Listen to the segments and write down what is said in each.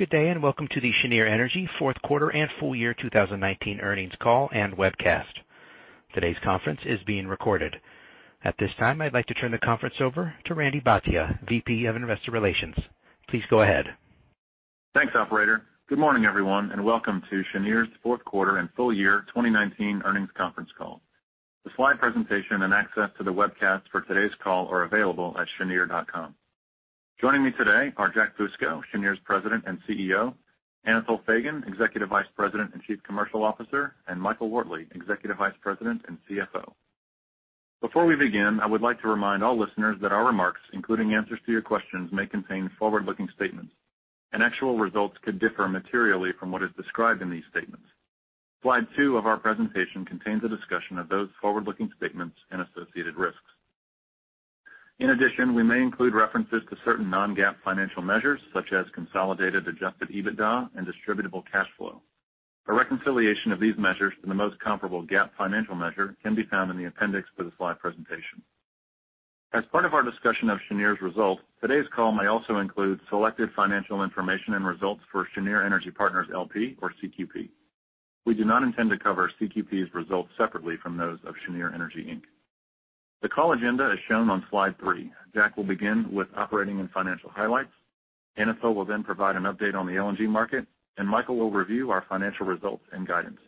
Good day, and welcome to the Cheniere Energy fourth quarter and full year 2019 earnings call and webcast. Today's conference is being recorded. At this time, I'd like to turn the conference over to Randy Bhatia, VP of Investor Relations. Please go ahead. Thanks, operator. Good morning, everyone, welcome to Cheniere's fourth quarter and full year 2019 earnings conference call. The slide presentation and access to the webcast for today's call are available at cheniere.com. Joining me today are Jack Fusco, Cheniere's President and CEO, Anatol Feygin, Executive Vice President and Chief Commercial Officer, Michael Wortley, Executive Vice President and CFO. Before we begin, I would like to remind all listeners that our remarks, including answers to your questions, may contain forward-looking statements. Actual results could differ materially from what is described in these statements. Slide two of our presentation contains a discussion of those forward-looking statements and associated risks. In addition, we may include references to certain non-GAAP financial measures, such as consolidated Adjusted EBITDA and distributable cash flow. A reconciliation of these measures to the most comparable GAAP financial measure can be found in the appendix for the slide presentation. As part of our discussion of Cheniere's results, today's call may also include selective financial information and results for Cheniere Energy Partners, L.P., or CQP. We do not intend to cover CQP's results separately from those of Cheniere Energy, Inc. The call agenda is shown on slide three. Jack will begin with operating and financial highlights. Anatol will then provide an update on the LNG market, and Michael will review our financial results and guidance.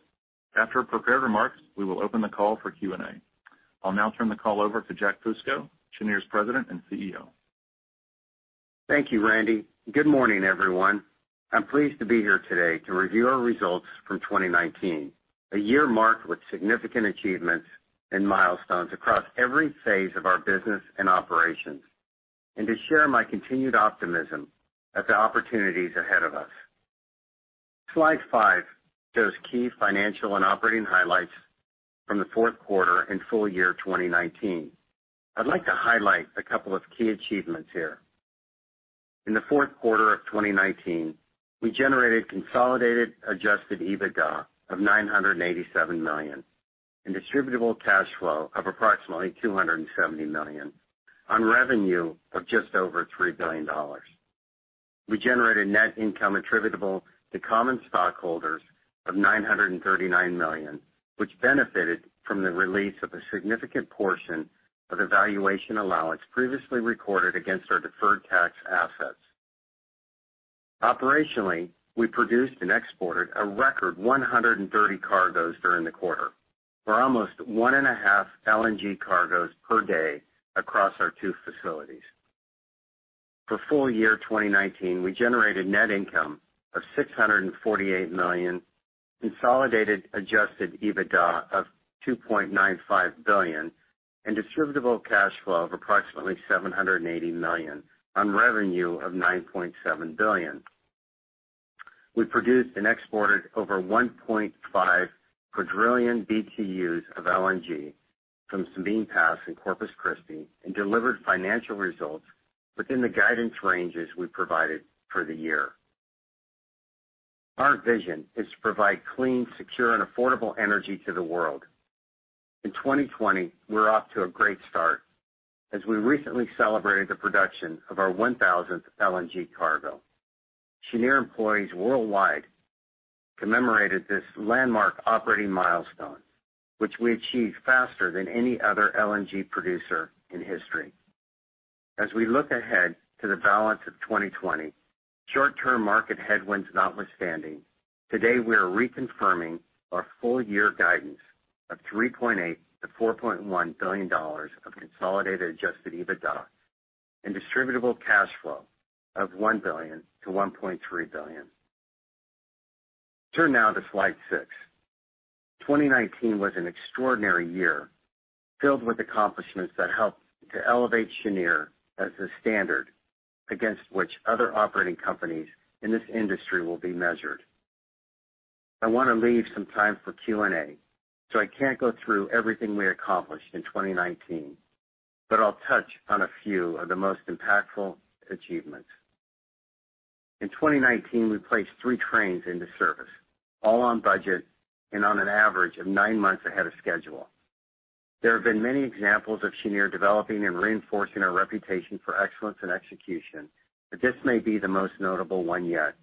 After prepared remarks, we will open the call for Q&A. I'll now turn the call over to Jack Fusco, Cheniere's President and CEO. Thank you, Randy. Good morning, everyone. I'm pleased to be here today to review our results from 2019, a year marked with significant achievements and milestones across every phase of our business and operations, and to share my continued optimism at the opportunities ahead of us. Slide five shows key financial and operating highlights from the fourth quarter and full year 2019. I'd like to highlight a couple of key achievements here. In the fourth quarter of 2019, we generated consolidated Adjusted EBITDA of $987 million and distributable cash flow of approximately $270 million on revenue of just over $3 billion. We generated net income attributable to common stockholders of $939 million, which benefited from the release of a significant portion of the valuation allowance previously recorded against our deferred tax assets. Operationally, we produced and exported a record 130 cargoes during the quarter or almost one and a half LNG cargoes per day across our two facilities. For full year 2019, we generated net income of $648 million, consolidated Adjusted EBITDA of $2.95 billion, and distributable cash flow of approximately $780 million on revenue of $9.7 billion. We produced and exported over 1.5 quadrillion BTUs of LNG from Sabine Pass in Corpus Christi and delivered financial results within the guidance ranges we provided for the year. Our vision is to provide clean, secure, and affordable energy to the world. In 2020, we're off to a great start as we recently celebrated the production of our 1,000th LNG cargo. Cheniere employees worldwide commemorated this landmark operating milestone, which we achieved faster than any other LNG producer in history. As we look ahead to the balance of 2020, short-term market headwinds notwithstanding, today we are reconfirming our full-year guidance of $3.8 billion-$4.1 billion of consolidated Adjusted EBITDA and distributable cash flow of $1 billion-$1.3 billion. Turn now to slide six. 2019 was an extraordinary year, filled with accomplishments that helped to elevate Cheniere as the standard against which other operating companies in this industry will be measured. I want to leave some time for Q&A, so I can't go through everything we accomplished in 2019, but I'll touch on a few of the most impactful achievements. In 2019, we placed three trains into service, all on budget and on an average of nine months ahead of schedule. There have been many examples of Cheniere developing and reinforcing our reputation for excellence and execution, but this may be the most notable one yet.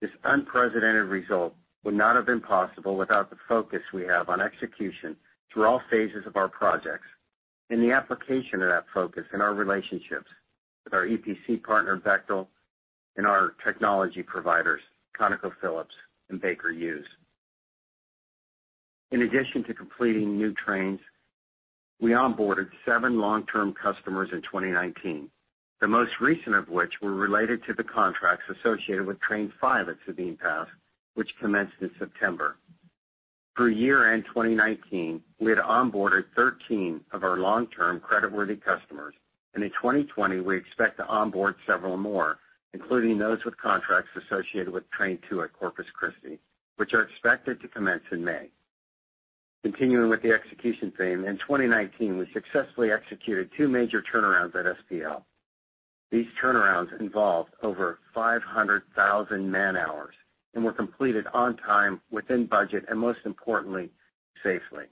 This unprecedented result would not have been possible without the focus we have on execution through all phases of our projects and the application of that focus in our relationships with our EPC partner, Bechtel, and our technology providers, ConocoPhillips and Baker Hughes. In addition to completing new trains, we onboarded seven long-term customers in 2019, the most recent of which were related to the contracts associated with Train 5 at Sabine Pass, which commenced in September. Through year-end 2019, we had onboarded 13 of our long-term creditworthy customers, and in 2020, we expect to onboard several more, including those with contracts associated with Train 2 at Corpus Christi, which are expected to commence in May. Continuing with the execution theme, in 2019, we successfully executed two major turnarounds at SPL. These turnarounds involved over 500,000 man-hours and were completed on time, within budget, and most importantly, safely.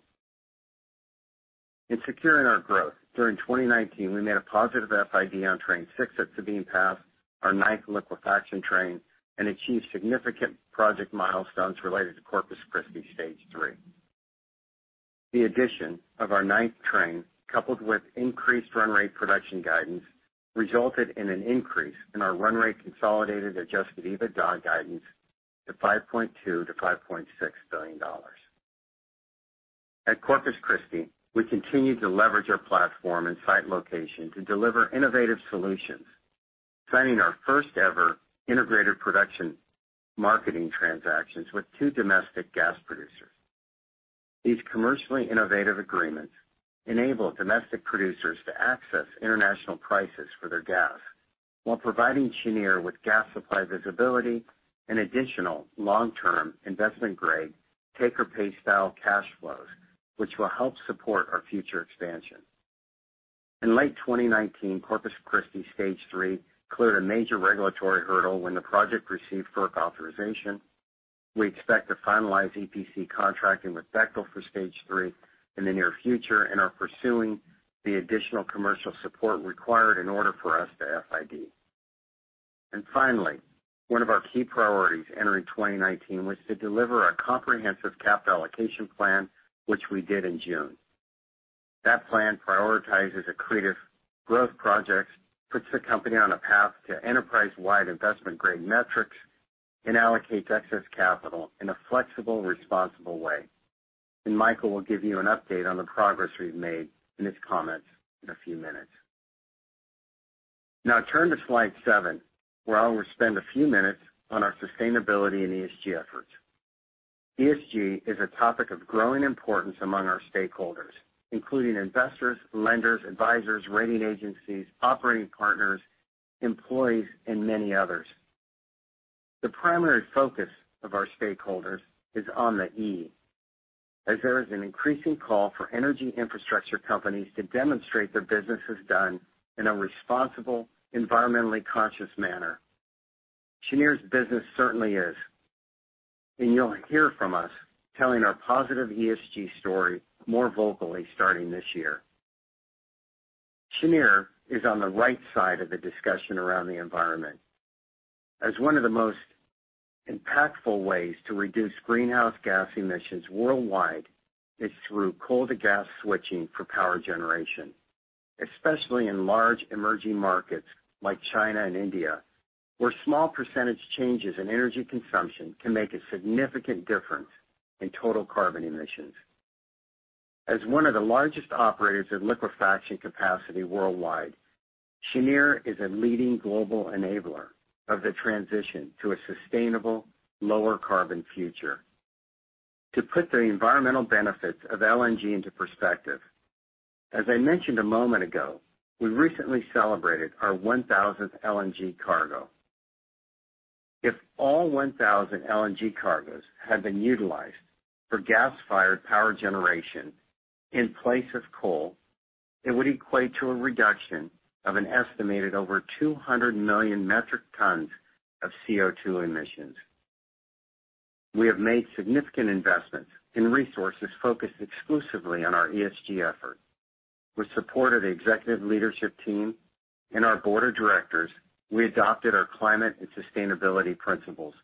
In securing our growth, during 2019, we made a positive FID on Train 6 at Sabine Pass, our ninth liquefaction train, and achieved significant project milestones related to Corpus Christi Stage 3. The addition of our ninth train, coupled with increased run rate production guidance, resulted in an increase in our run rate consolidated Adjusted EBITDA guidance to $5.2 billion-$5.6 billion. At Corpus Christi, we continued to leverage our platform and site location to deliver innovative solutions, signing our first-ever integrated production marketing transactions with two domestic gas producers. These commercially innovative agreements enable domestic producers to access international prices for their gas while providing Cheniere with gas supply visibility and additional long-term investment-grade, take-or-pay style cash flows, which will help support our future expansion. In late 2019, Corpus Christi Stage 3 cleared a major regulatory hurdle when the project received FERC authorization. We expect to finalize EPC contracting with Bechtel for stage 3 in the near future and are pursuing the additional commercial support required in order for us to FID. Finally, one of our key priorities entering 2019 was to deliver a comprehensive capital allocation plan, which we did in June. That plan prioritizes accretive growth projects, puts the company on a path to enterprise-wide investment-grade metrics, and allocates excess capital in a flexible, responsible way. Michael will give you an update on the progress we've made in his comments in a few minutes. Now turn to slide seven, where I will spend a few minutes on our sustainability and ESG efforts. ESG is a topic of growing importance among our stakeholders, including investors, lenders, advisors, rating agencies, operating partners, employees, and many others. The primary focus of our stakeholders is on the E as there is an increasing call for energy infrastructure companies to demonstrate their business is done in a responsible, environmentally conscious manner. Cheniere's business certainly is, and you'll hear from us telling our positive ESG story more vocally starting this year. Cheniere is on the right side of the discussion around the environment, as one of the most impactful ways to reduce greenhouse gas emissions worldwide is through coal to gas switching for power generation, especially in large emerging markets like China and India, where small percentage changes in energy consumption can make a significant difference in total carbon emissions. As one of the largest operators of liquefaction capacity worldwide, Cheniere is a leading global enabler of the transition to a sustainable, lower carbon future. To put the environmental benefits of LNG into perspective, as I mentioned a moment ago, we recently celebrated our 1,000th LNG cargo. If all 1,000 LNG cargoes had been utilized for gas-fired power generation in place of coal, it would equate to a reduction of an estimated over 200 million metric tons of CO2 emissions. We have made significant investments in resources focused exclusively on our ESG efforts. With support of the executive leadership team and our board of directors, we adopted our climate and sustainability principles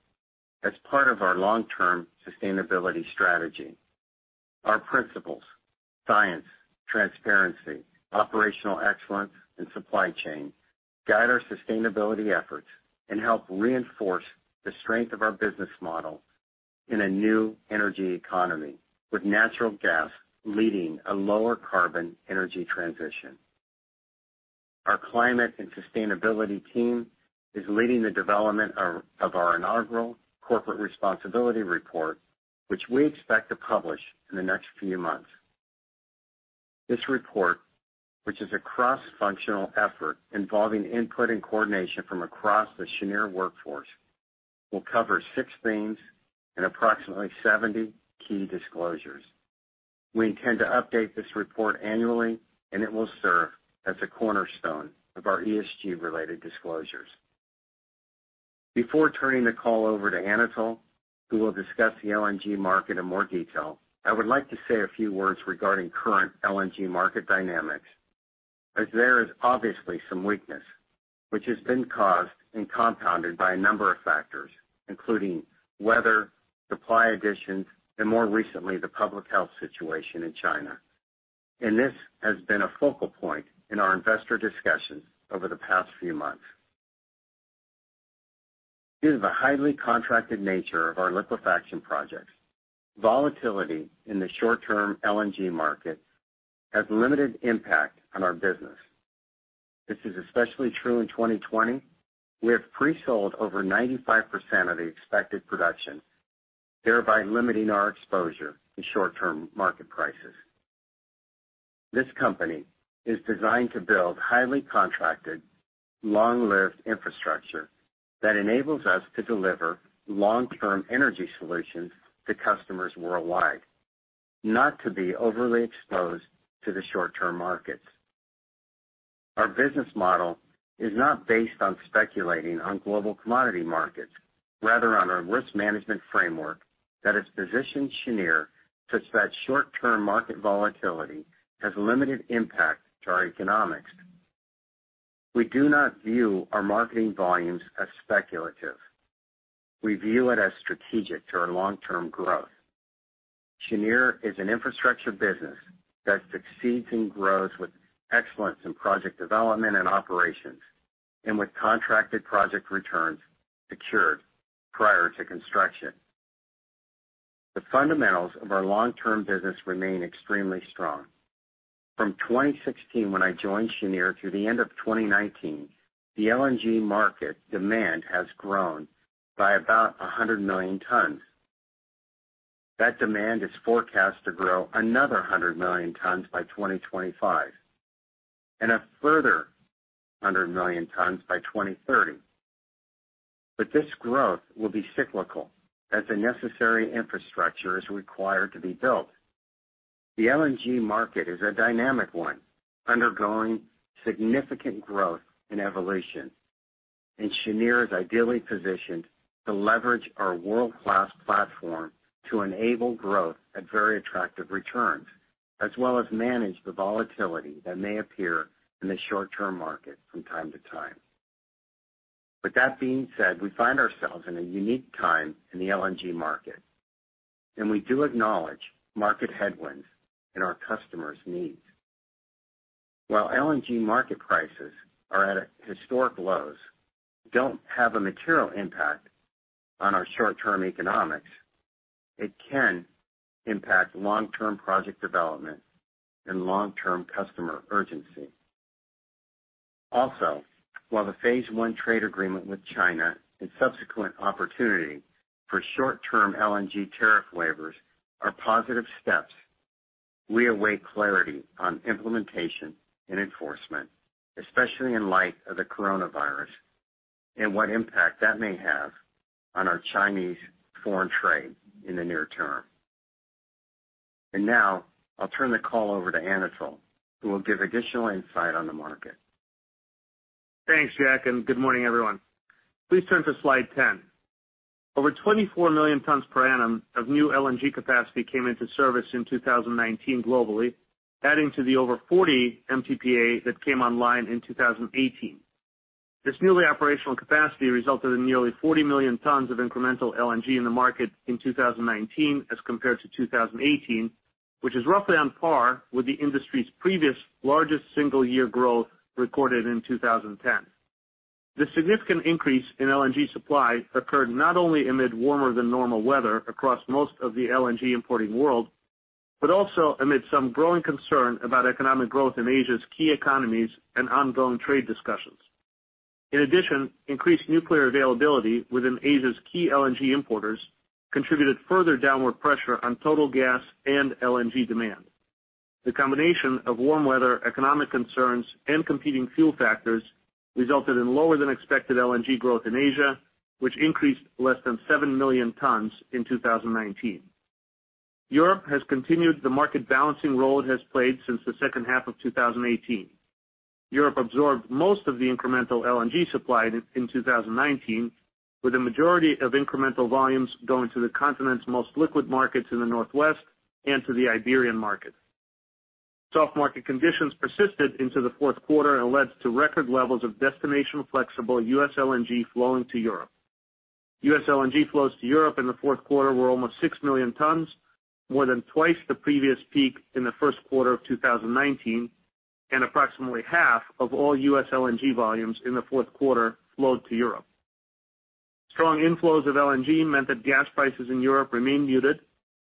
as part of our long-term sustainability strategy. Our principles, science, transparency, operational excellence, and supply chain guide our sustainability efforts and help reinforce the strength of our business model in a new energy economy with natural gas leading a lower carbon energy transition. Our climate and sustainability team is leading the development of our inaugural corporate responsibility report, which we expect to publish in the next few months. This report, which is a cross-functional effort involving input and coordination from across the Cheniere workforce, will cover six themes and approximately 70 key disclosures. We intend to update this report annually, and it will serve as a cornerstone of our ESG-related disclosures. Before turning the call over to Anatol, who will discuss the LNG market in more detail, I would like to say a few words regarding current LNG market dynamics, as there is obviously some weakness, which has been caused and compounded by a number of factors, including weather, supply additions, and more recently, the public health situation in China. This has been a focal point in our investor discussions over the past few months. Due to the highly contracted nature of our liquefaction projects, volatility in the short-term LNG market has limited impact on our business. This is especially true in 2020. We have pre-sold over 95% of the expected production, thereby limiting our exposure to short-term market prices. This company is designed to build highly contracted, long-lived infrastructure that enables us to deliver long-term energy solutions to customers worldwide, not to be overly exposed to the short-term markets. Our business model is not based on speculating on global commodity markets, rather on our risk management framework that has positioned Cheniere such that short-term market volatility has limited impact to our economics. We do not view our marketing volumes as speculative. We view it as strategic to our long-term growth. Cheniere is an infrastructure business that succeeds and grows with excellence in project development and operations, and with contracted project returns secured prior to construction. The fundamentals of our long-term business remain extremely strong. From 2016, when I joined Cheniere, through the end of 2019, the LNG market demand has grown by about 100 million tons. That demand is forecast to grow another 100 million tons by 2025, and a further 100 million tons by 2030. This growth will be cyclical as the necessary infrastructure is required to be built. The LNG market is a dynamic one, undergoing significant growth and evolution, and Cheniere is ideally positioned to leverage our world-class platform to enable growth at very attractive returns, as well as manage the volatility that may appear in the short-term market from time to time. With that being said, we find ourselves in a unique time in the LNG market, and we do acknowledge market headwinds and our customers' needs. While LNG market prices are at historic lows, don't have a material impact on our short-term economics, it can impact long-term project development and long-term customer urgency. Also, while the phase I trade agreement with China and subsequent opportunity for short-term LNG tariff waivers are positive steps, we await clarity on implementation and enforcement, especially in light of the coronavirus, and what impact that may have on our Chinese foreign trade in the near term. Now I'll turn the call over to Anatol, who will give additional insight on the market. Thanks, Jack, and good morning, everyone. Please turn to slide 10. Over 24 million tons per annum of new LNG capacity came into service in 2019 globally, adding to the over 40 MTPA that came online in 2018. This newly operational capacity resulted in nearly 40 million tons of incremental LNG in the market in 2019 as compared to 2018, which is roughly on par with the industry's previous largest single-year growth recorded in 2010. The significant increase in LNG supply occurred not only amid warmer than normal weather across most of the LNG importing world, but also amid some growing concern about economic growth in Asia's key economies and ongoing trade discussions. In addition, increased nuclear availability within Asia's key LNG importers contributed further downward pressure on total gas and LNG demand. The combination of warm weather, economic concerns, and competing fuel factors resulted in lower than expected LNG growth in Asia, which increased less than 7 million tons in 2019. Europe has continued the market balancing role it has played since the second half of 2018. Europe absorbed most of the incremental LNG supply in 2019, with the majority of incremental volumes going to the continent's most liquid markets in the Northwest and to the Iberian market. Soft market conditions persisted into the fourth quarter and led to record levels of destination-flexible U.S. LNG flowing to Europe. U.S. LNG flows to Europe in the fourth quarter were almost 6 million tons, more than twice the previous peak in the first quarter of 2019, and approximately half of all U.S. LNG volumes in the fourth quarter flowed to Europe. Strong inflows of LNG meant that gas prices in Europe remained muted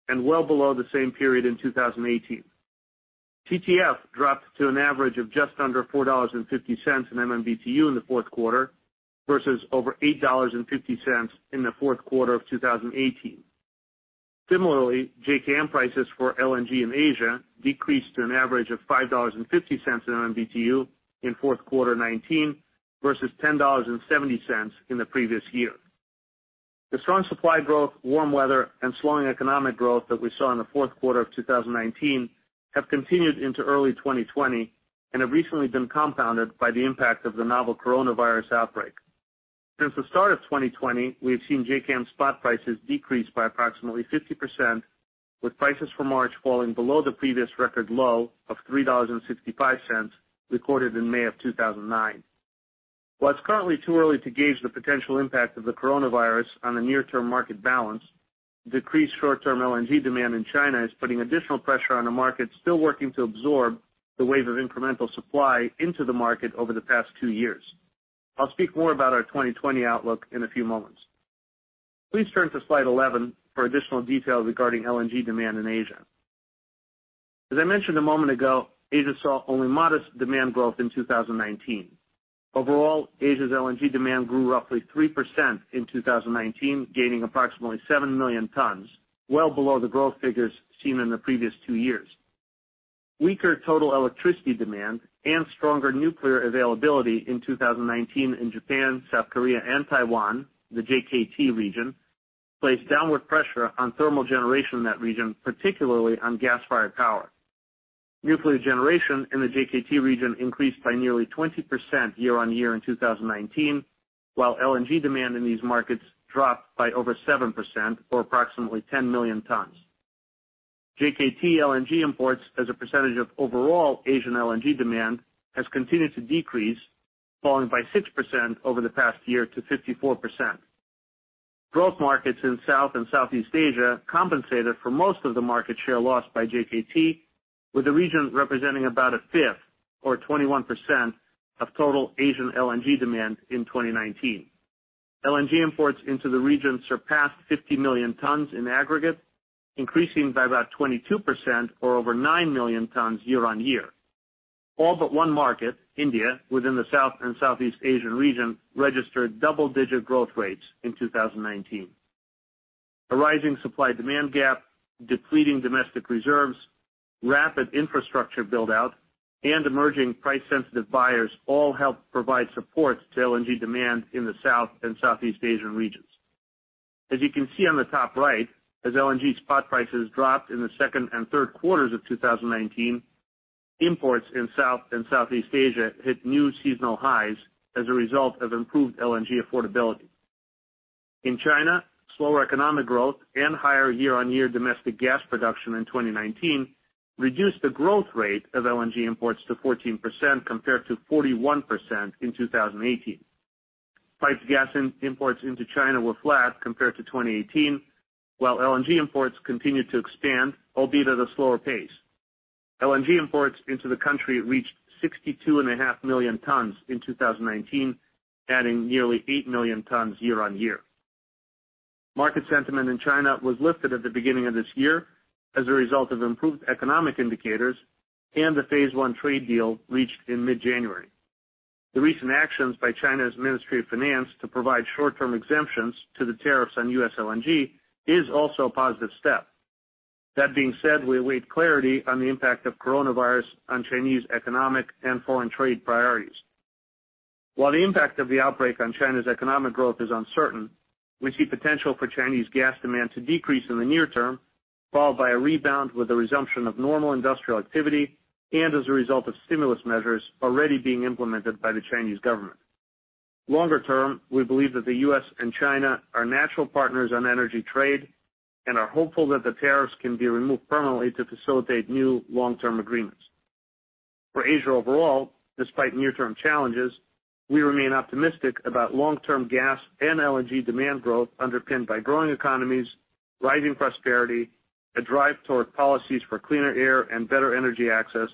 and well below the same period in 2018. TTF dropped to an average of just under $4.50 in MMBtu in the fourth quarter, versus over $8.50 in the fourth quarter of 2018. Similarly, JKM prices for LNG in Asia decreased to an average of $5.50 an MMBtu in fourth quarter 2019 versus $10.70 in the previous year. The strong supply growth, warm weather, and slowing economic growth that we saw in the fourth quarter of 2019 have continued into early 2020 and have recently been compounded by the impact of the novel coronavirus outbreak. Since the start of 2020, we have seen JKM spot prices decrease by approximately 50%, with prices for March falling below the previous record low of $3.65, recorded in May of 2009. While it's currently too early to gauge the potential impact of the coronavirus on the near-term market balance, decreased short-term LNG demand in China is putting additional pressure on a market still working to absorb the wave of incremental supply into the market over the past two years. I'll speak more about our 2020 outlook in a few moments. Please turn to slide 11 for additional details regarding LNG demand in Asia. As I mentioned a moment ago, Asia saw only modest demand growth in 2019. Overall, Asia's LNG demand grew roughly 3% in 2019, gaining approximately 7 million tons, well below the growth figures seen in the previous two years. Weaker total electricity demand and stronger nuclear availability in 2019 in Japan, South Korea, and Taiwan, the JKT regionPlace downward pressure on thermal generation in that region, particularly on gas-fired power. Nuclear generation in the JKT region increased by nearly 20% year-on-year in 2019, while LNG demand in these markets dropped by over 7%, or approximately 10 million tons. JKT LNG imports as a percentage of overall Asian LNG demand has continued to decrease, falling by 6% over the past year to 54%. Growth markets in South and Southeast Asia compensated for most of the market share lost by JKT, with the region representing about a fifth, or 21%, of total Asian LNG demand in 2019. LNG imports into the region surpassed 50 million tons in aggregate, increasing by about 22%, or over 9 million tons year-on-year. All but one market, India, within the South and Southeast Asian region, registered double-digit growth rates in 2019. A rising supply-demand gap, depleting domestic reserves, rapid infrastructure build-out, and emerging price-sensitive buyers all helped provide supports to LNG demand in the South and Southeast Asian regions. As you can see on the top right, as LNG spot prices dropped in the second and third quarters of 2019, imports in South and Southeast Asia hit new seasonal highs as a result of improved LNG affordability. In China, slower economic growth and higher year-on-year domestic gas production in 2019 reduced the growth rate of LNG imports to 14%, compared to 41% in 2018. Pipe gas imports into China were flat compared to 2018, while LNG imports continued to expand, albeit at a slower pace. LNG imports into the country reached 62.5 million tons in 2019, adding nearly eight million tons year-on-year. Market sentiment in China was lifted at the beginning of this year as a result of improved economic indicators and the phase I trade deal reached in mid-January. The recent actions by China's Ministry of Finance to provide short-term exemptions to the tariffs on U.S. LNG is also a positive step. That being said, we await clarity on the impact of coronavirus on Chinese economic and foreign trade priorities. While the impact of the outbreak on China's economic growth is uncertain, we see potential for Chinese gas demand to decrease in the near term, followed by a rebound with the resumption of normal industrial activity and as a result of stimulus measures already being implemented by the Chinese government. Longer term, we believe that the U.S. and China are natural partners on energy trade and are hopeful that the tariffs can be removed permanently to facilitate new long-term agreements. For Asia overall, despite near-term challenges, we remain optimistic about long-term gas and LNG demand growth underpinned by growing economies, rising prosperity, a drive toward policies for cleaner air and better energy access,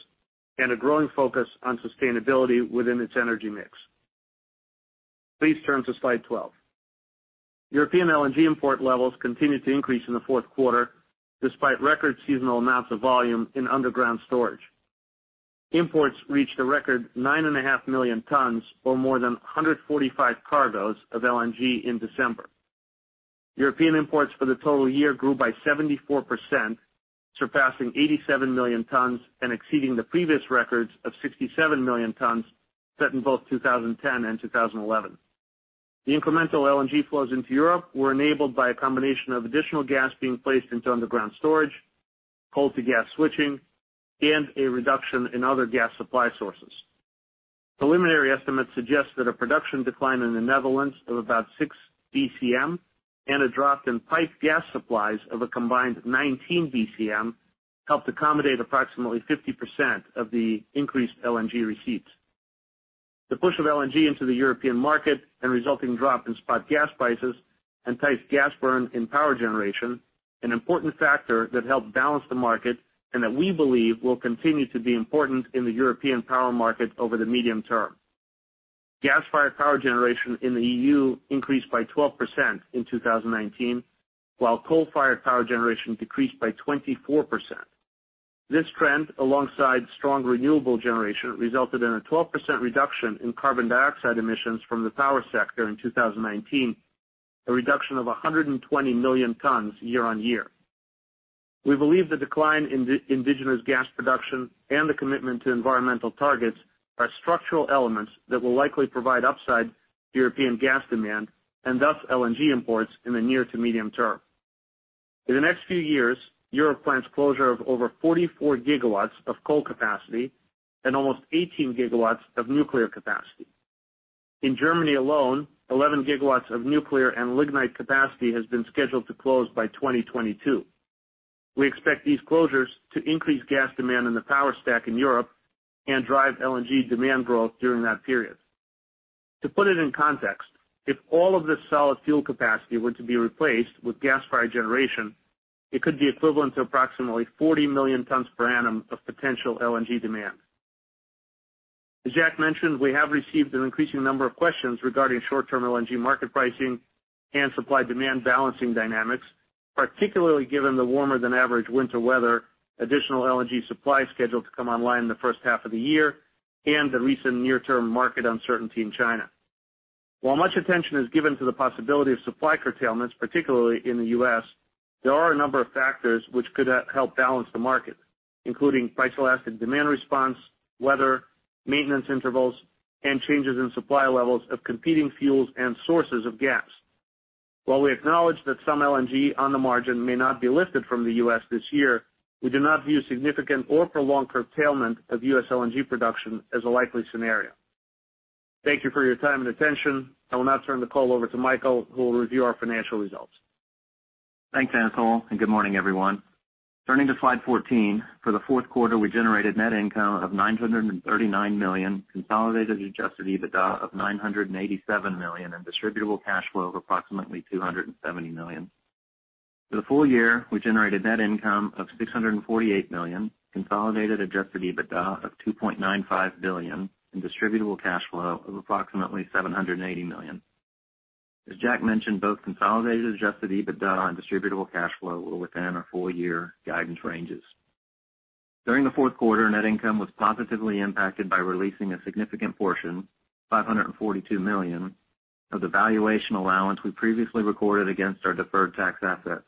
and a growing focus on sustainability within its energy mix. Please turn to slide 12. European LNG import levels continued to increase in the fourth quarter, despite record seasonal amounts of volume in underground storage. Imports reached a record 9.5 million tons, or more than 145 cargoes of LNG in December. European imports for the total year grew by 74%, surpassing 87 million tons and exceeding the previous records of 67 million tons set in both 2010 and 2011. The incremental LNG flows into Europe were enabled by a combination of additional gas being placed into underground storage, coal to gas switching, and a reduction in other gas supply sources. Preliminary estimates suggest that a production decline in the Netherlands of about six BCM and a drop in pipe gas supplies of a combined 19 BCM helped accommodate approximately 50% of the increased LNG receipts. The push of LNG into the European market and resulting drop in spot gas prices entice gas burn in power generation, an important factor that helped balance the market and that we believe will continue to be important in the European power market over the medium term. Gas-fired power generation in the EU increased by 12% in 2019, while coal-fired power generation decreased by 24%. This trend, alongside strong renewable generation, resulted in a 12% reduction in carbon dioxide emissions from the power sector in 2019, a reduction of 120 million tons year-on-year. We believe the decline in indigenous gas production and the commitment to environmental targets are structural elements that will likely provide upside to European gas demand and thus LNG imports in the near to medium term. In the next few years, Europe plans closure of over 44 GW of coal capacity and almost 18 GW of nuclear capacity. In Germany alone, 11 GW of nuclear and lignite capacity has been scheduled to close by 2022. We expect these closures to increase gas demand in the power stack in Europe and drive LNG demand growth during that period. To put it in context, if all of this solid fuel capacity were to be replaced with gas-fired generation, it could be equivalent to approximately 40 million tons per annum of potential LNG demand. As Jack mentioned, we have received an increasing number of questions regarding short-term LNG market pricing and supply-demand balancing dynamics, particularly given the warmer than average winter weather, additional LNG supply scheduled to come online in the first half of the year, and the recent near-term market uncertainty in China. While much attention is given to the possibility of supply curtailments, particularly in the U.S. There are a number of factors which could help balance the market, including price-elastic demand response, weather, maintenance intervals, and changes in supply levels of competing fuels and sources of gas. While we acknowledge that some LNG on the margin may not be lifted from the U.S. this year, we do not view significant or prolonged curtailment of U.S. LNG production as a likely scenario. Thank you for your time and attention. I will now turn the call over to Michael, who will review our financial results. Thanks, Anatol. Good morning, everyone. Turning to slide 14, for the fourth quarter, we generated net income of $939 million, consolidated Adjusted EBITDA of $987 million, and distributable cash flow of approximately $270 million. For the full year, we generated net income of $648 million, consolidated Adjusted EBITDA of $2.95 billion, and distributable cash flow of approximately $780 million. As Jack mentioned, both consolidated Adjusted EBITDA and distributable cash flow were within our full-year guidance ranges. During the fourth quarter, net income was positively impacted by releasing a significant portion, $542 million, of the valuation allowance we previously recorded against our deferred tax assets,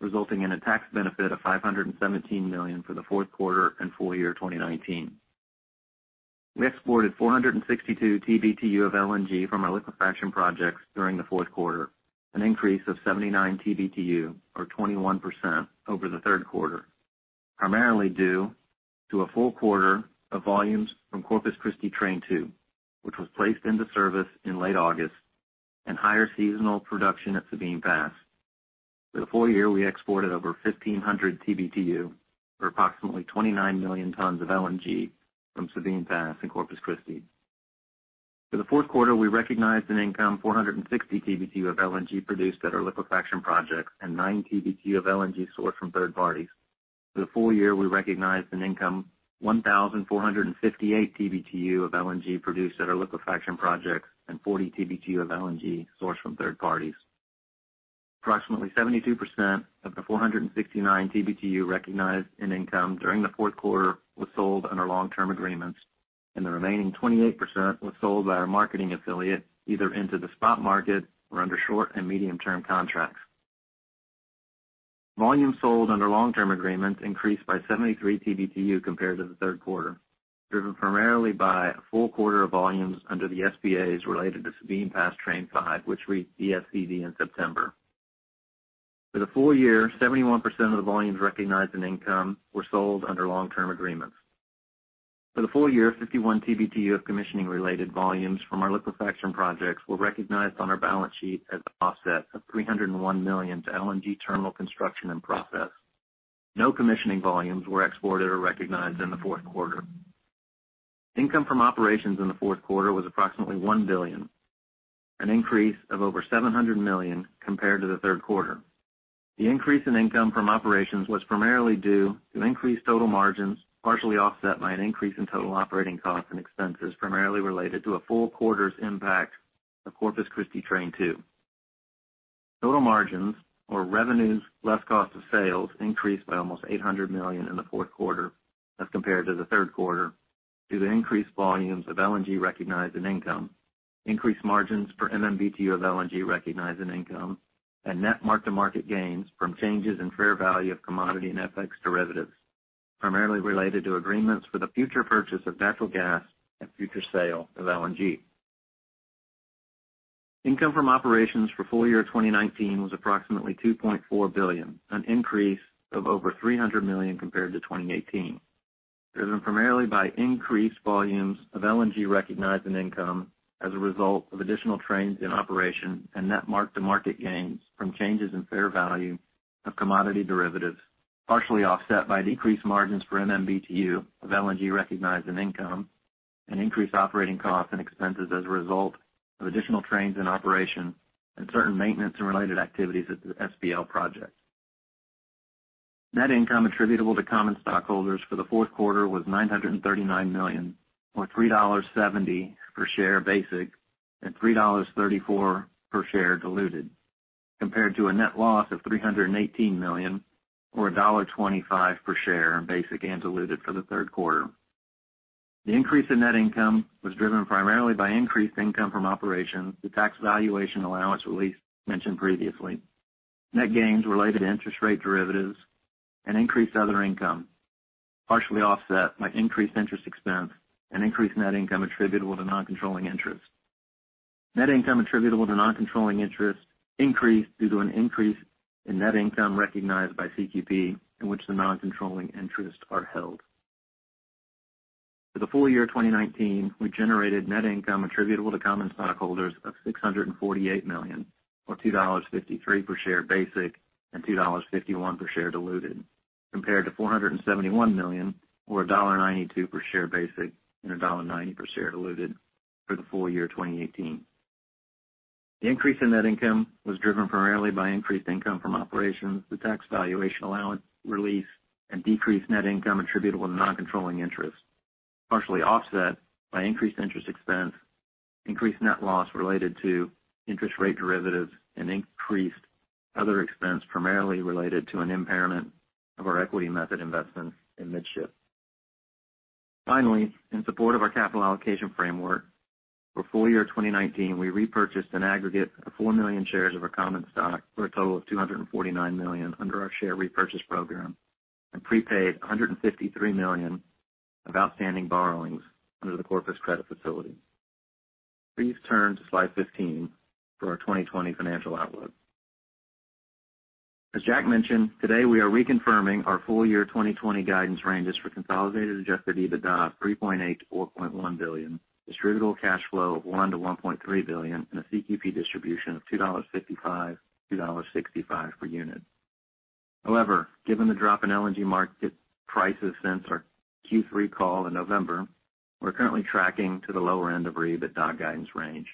resulting in a tax benefit of $517 million for the fourth quarter and full year 2019. We exported 462 TBtu of LNG from our liquefaction projects during the fourth quarter, an increase of 79 TBtu, or 21% over the third quarter, primarily due to a full quarter of volumes from Corpus Christi Train 2, which was placed into service in late August, and higher seasonal production at Sabine Pass. For the full year, we exported over 1,500 TBtu, or approximately 29 million tons of LNG from Sabine Pass in Corpus Christi. For the fourth quarter, we recognized in income 460 TBtu of LNG produced at our liquefaction projects and nine TBtu of LNG sourced from third parties. For the full year, we recognized in income 1,458 TBtu of LNG produced at our liquefaction projects and 40 TBtu of LNG sourced from third parties. Approximately 72% of the 469 TBtu recognized in income during the fourth quarter was sold under long-term agreements, and the remaining 28% was sold by our marketing affiliate, either into the spot market or under short and medium-term contracts. Volumes sold under long-term agreements increased by 73 TBtu compared to the third quarter, driven primarily by a full quarter of volumes under the SBAs related to Sabine Pass Train 5, which reached ESCD in September. For the full year, 71% of the volumes recognized in income were sold under long-term agreements. For the full year, 51 TBtu of commissioning-related volumes from our liquefaction projects were recognized on our balance sheet as an offset of $301 million to LNG terminal construction in process. No commissioning volumes were exported or recognized in the fourth quarter. Income from operations in the fourth quarter was approximately $1 billion, an increase of over $700 million compared to the third quarter. The increase in income from operations was primarily due to increased total margins, partially offset by an increase in total operating costs and expenses, primarily related to a full quarter's impact of Corpus Christi Train 2. Total margins or revenues less cost of sales increased by almost $800 million in the fourth quarter as compared to the third quarter due to increased volumes of LNG recognized in income, increased margins per MMBtu of LNG recognized in income, and net mark-to-market gains from changes in fair value of commodity and FX derivatives, primarily related to agreements for the future purchase of natural gas and future sale of LNG. Income from operations for full year 2019 was approximately $2.4 billion, an increase of over $300 million compared to 2018, driven primarily by increased volumes of LNG recognized in income as a result of additional trains in operation and net mark-to-market gains from changes in fair value of commodity derivatives, partially offset by decreased margins for MMBtu of LNG recognized in income and increased operating costs and expenses as a result of additional trains in operation and certain maintenance and related activities at the SPL project. Net income attributable to common stockholders for the fourth quarter was $939 million, or $3.70 per share basic, and $3.34 per share diluted, compared to a net loss of $318 million, or $1.25 per share basic and diluted for the third quarter. The increase in net income was driven primarily by increased income from operations, the tax valuation allowance release mentioned previously, net gains related to interest rate derivatives, and increased other income, partially offset by increased interest expense and increased net income attributable to non-controlling interest. Net income attributable to non-controlling interest increased due to an increase in net income recognized by CQP in which the non-controlling interests are held. For the full year 2019, we generated net income attributable to common stockholders of $648 million, or $2.53 per share basic and $2.51 per share diluted, compared to $471 million, or $1.92 per share basic and $1.90 per share diluted for the full year 2018. The increase in net income was driven primarily by increased income from operations, the tax valuation allowance release, and decreased net income attributable to non-controlling interest, partially offset by increased interest expense, increased net loss related to interest rate derivatives, and increased other expense, primarily related to an impairment of our equity method investment in Midship. In support of our capital allocation framework, for full year 2019, we repurchased an aggregate of 4 million shares of our common stock for a total of $249 million under our share repurchase program, and prepaid $153 million of outstanding borrowings under the Corpus credit facility. Please turn to slide 15 for our 2020 financial outlook. As Jack mentioned, today we are reconfirming our full-year 2020 guidance ranges for consolidated Adjusted EBITDA of $3.8 billion-$4.1 billion, distributable cash flow of $1 billion-$1.3 billion, and a CQP distribution of $2.55-$2.65 per unit. However, given the drop in LNG market prices since our Q3 call in November, we're currently tracking to the lower end of our EBITDA guidance range.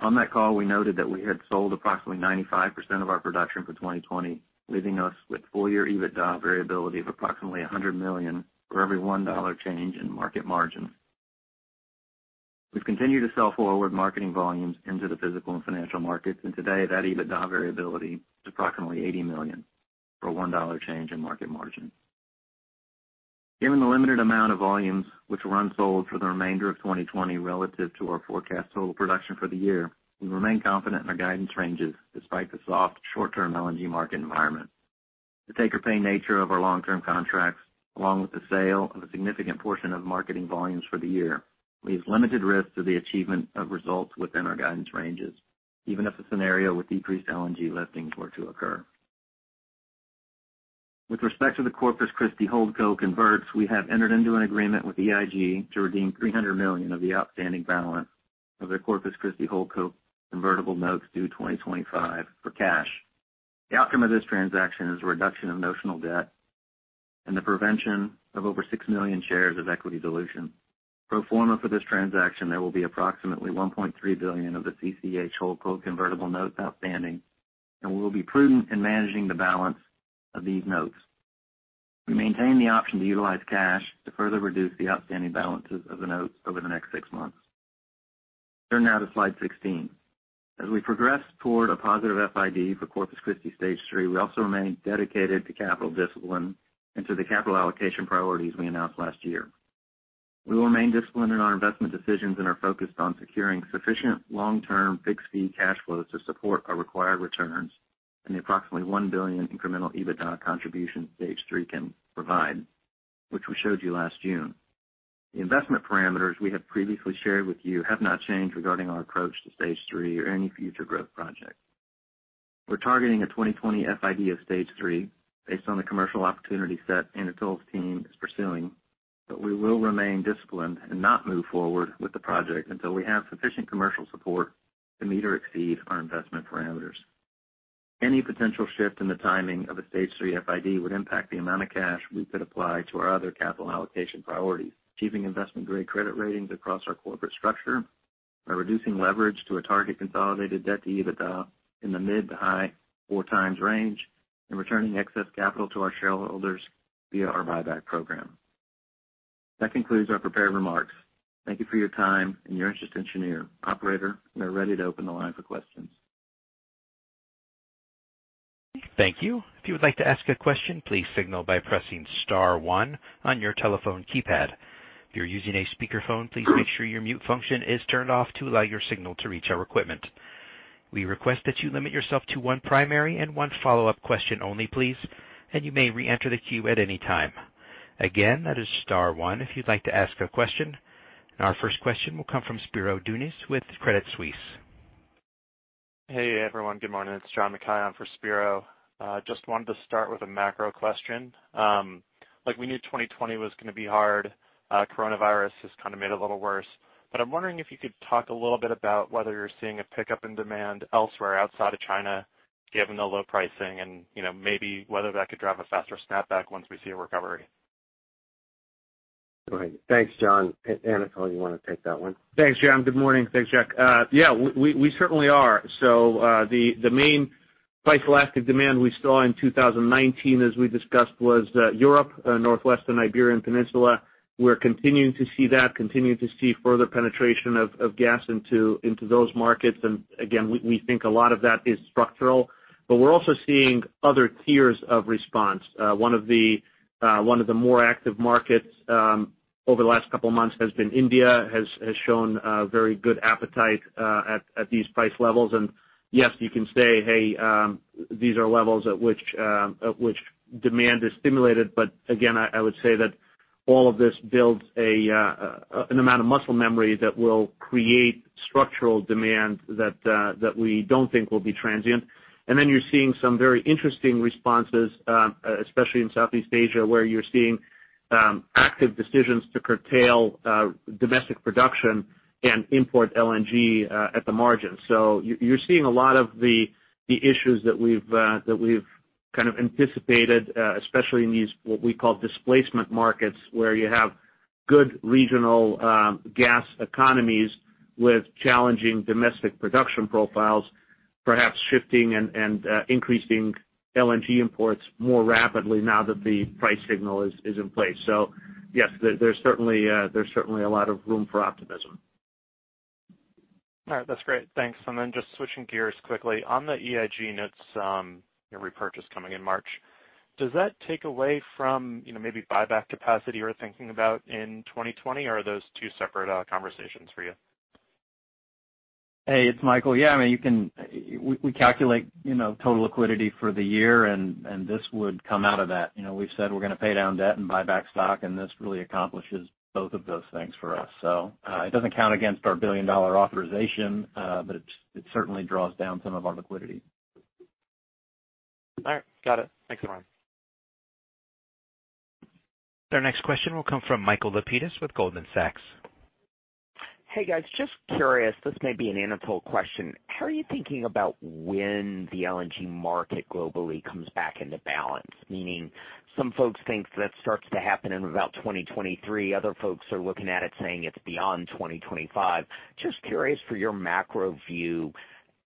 On that call, we noted that we had sold approximately 95% of our production for 2020, leaving us with full-year EBITDA variability of approximately $100 million for every $1 change in market margin. We've continued to sell forward marketing volumes into the physical and financial markets, and today, that EBITDA variability is approximately $80 million for a $1 change in market margin. Given the limited amount of volumes which were unsold for the remainder of 2020 relative to our forecast total production for the year, we remain confident in our guidance ranges despite the soft short-term LNG market environment. The take-or-pay nature of our long-term contracts, along with the sale of a significant portion of marketing volumes for the year, leaves limited risk to the achievement of results within our guidance ranges, even if a scenario with decreased LNG listings were to occur. With respect to the Corpus Christi Holdco converts, we have entered into an agreement with EIG to redeem $300 million of the outstanding balance of their Corpus Christi Holdco convertible notes due 2025 for cash. The outcome of this transaction is a reduction of notional debt and the prevention of over 6 million shares of equity dilution. Pro forma for this transaction, there will be approximately $1.3 billion of the CCH Holdco convertible notes outstanding, and we will be prudent in managing the balance of these notes. We maintain the option to utilize cash to further reduce the outstanding balances of the notes over the next six months. Turn now to slide 16. As we progress toward a positive FID for Corpus Christi Stage 3, we also remain dedicated to capital discipline and to the capital allocation priorities we announced last year. We remain disciplined in our investment decisions and are focused on securing sufficient long-term fixed-fee cash flows to support our required returns and the approximately $1 billion incremental EBITDA contribution stage 3 can provide, which we showed you last June. The investment parameters we have previously shared with you have not changed regarding our approach to stage 3 or any future growth project. We're targeting a 2020 FID of stage 3 based on the commercial opportunity set Anatol's team is pursuing, but we will remain disciplined and not move forward with the project until we have sufficient commercial support to meet or exceed our investment parameters. Any potential shift in the timing of a stage 3 FID would impact the amount of cash we could apply to our other capital allocation priorities: achieving investment-grade credit ratings across our corporate structure by reducing leverage to a target consolidated debt-to-EBITDA in the mid to high four times range, and returning excess capital to our shareholders via our buyback program. That concludes our prepared remarks. Thank you for your time and your interest in Cheniere. Operator, we are ready to open the line for questions. Thank you. If you would like to ask a question, please signal by pressing star one on your telephone keypad. If you're using a speakerphone, please make sure your mute function is turned off to allow your signal to reach our equipment. We request that you limit yourself to one primary and one follow-up question only, please, and you may reenter the queue at any time. Again, that is star one if you'd like to ask a question. Our first question will come from Spiro Dounis with Credit Suisse. Hey, everyone. Good morning. It's John Mackay on for Spiro. Just wanted to start with a macro question. We knew 2020 was going to be hard. Coronavirus has kind of made it a little worse. I'm wondering if you could talk a little bit about whether you're seeing a pickup in demand elsewhere outside of China, given the low pricing and maybe whether that could drive a faster snapback once we see a recovery. Go ahead. Thanks, John. Anatol, you wanna take that one? Thanks, John. Good morning. Thanks, Jack. Yeah, we certainly are. The main price-elastic demand we saw in 2019, as we discussed, was Europe, Northwestern Iberian Peninsula. We're continuing to see that, continuing to see further penetration of gas into those markets. Again, we think a lot of that is structural, but we're also seeing other tiers of response. One of the more active markets over the last couple of months has been India, has shown a very good appetite at these price levels. Yes, you can say, hey, these are levels at which demand is stimulated. Again, I would say that all of this builds an amount of muscle memory that will create structural demand that we don't think will be transient. You're seeing some very interesting responses, especially in Southeast Asia, where you're seeing active decisions to curtail domestic production and import LNG at the margin. You're seeing a lot of the issues that we've kind of anticipated, especially in these, what we call displacement markets, where you have good regional gas economies with challenging domestic production profiles, perhaps shifting and increasing LNG imports more rapidly now that the price signal is in place. Yes, there's certainly a lot of room for optimism. All right. That's great. Thanks. Just switching gears quickly on the EIG notes repurchase coming in March. Does that take away from maybe buyback capacity you're thinking about in 2020? Or are those two separate conversations for you? Hey, it's Michael. Yeah, we calculate total liquidity for the year, and this would come out of that. We've said we're going to pay down debt and buy back stock, and this really accomplishes both of those things for us. It doesn't count against our billion-dollar authorization, but it certainly draws down some of our liquidity. All right. Got it. Thanks, Michael. Our next question will come from Michael Lapides with Goldman Sachs. Hey, guys. Just curious, this may be an Anatol question. How are you thinking about when the LNG market globally comes back into balance? Meaning, some folks think that starts to happen in about 2023. Other folks are looking at it saying it's beyond 2025. Just curious for your macro view,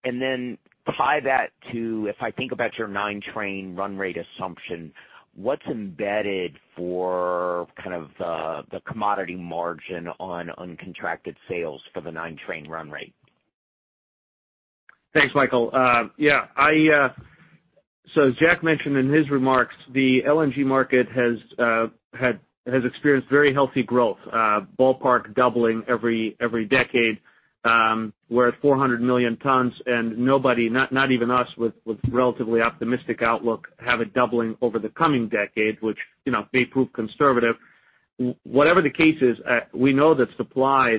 and then tie that to, if I think about your nine-train run rate assumption, what's embedded for kind of the commodity margin on uncontracted sales for the nine-train run rate? Thanks, Michael. As Jack mentioned in his remarks, the LNG market has experienced very healthy growth, ballpark doubling every decade. We're at 400 million tons, nobody, not even us with relatively optimistic outlook, have it doubling over the coming decade, which may prove conservative. Whatever the case is, we know this supply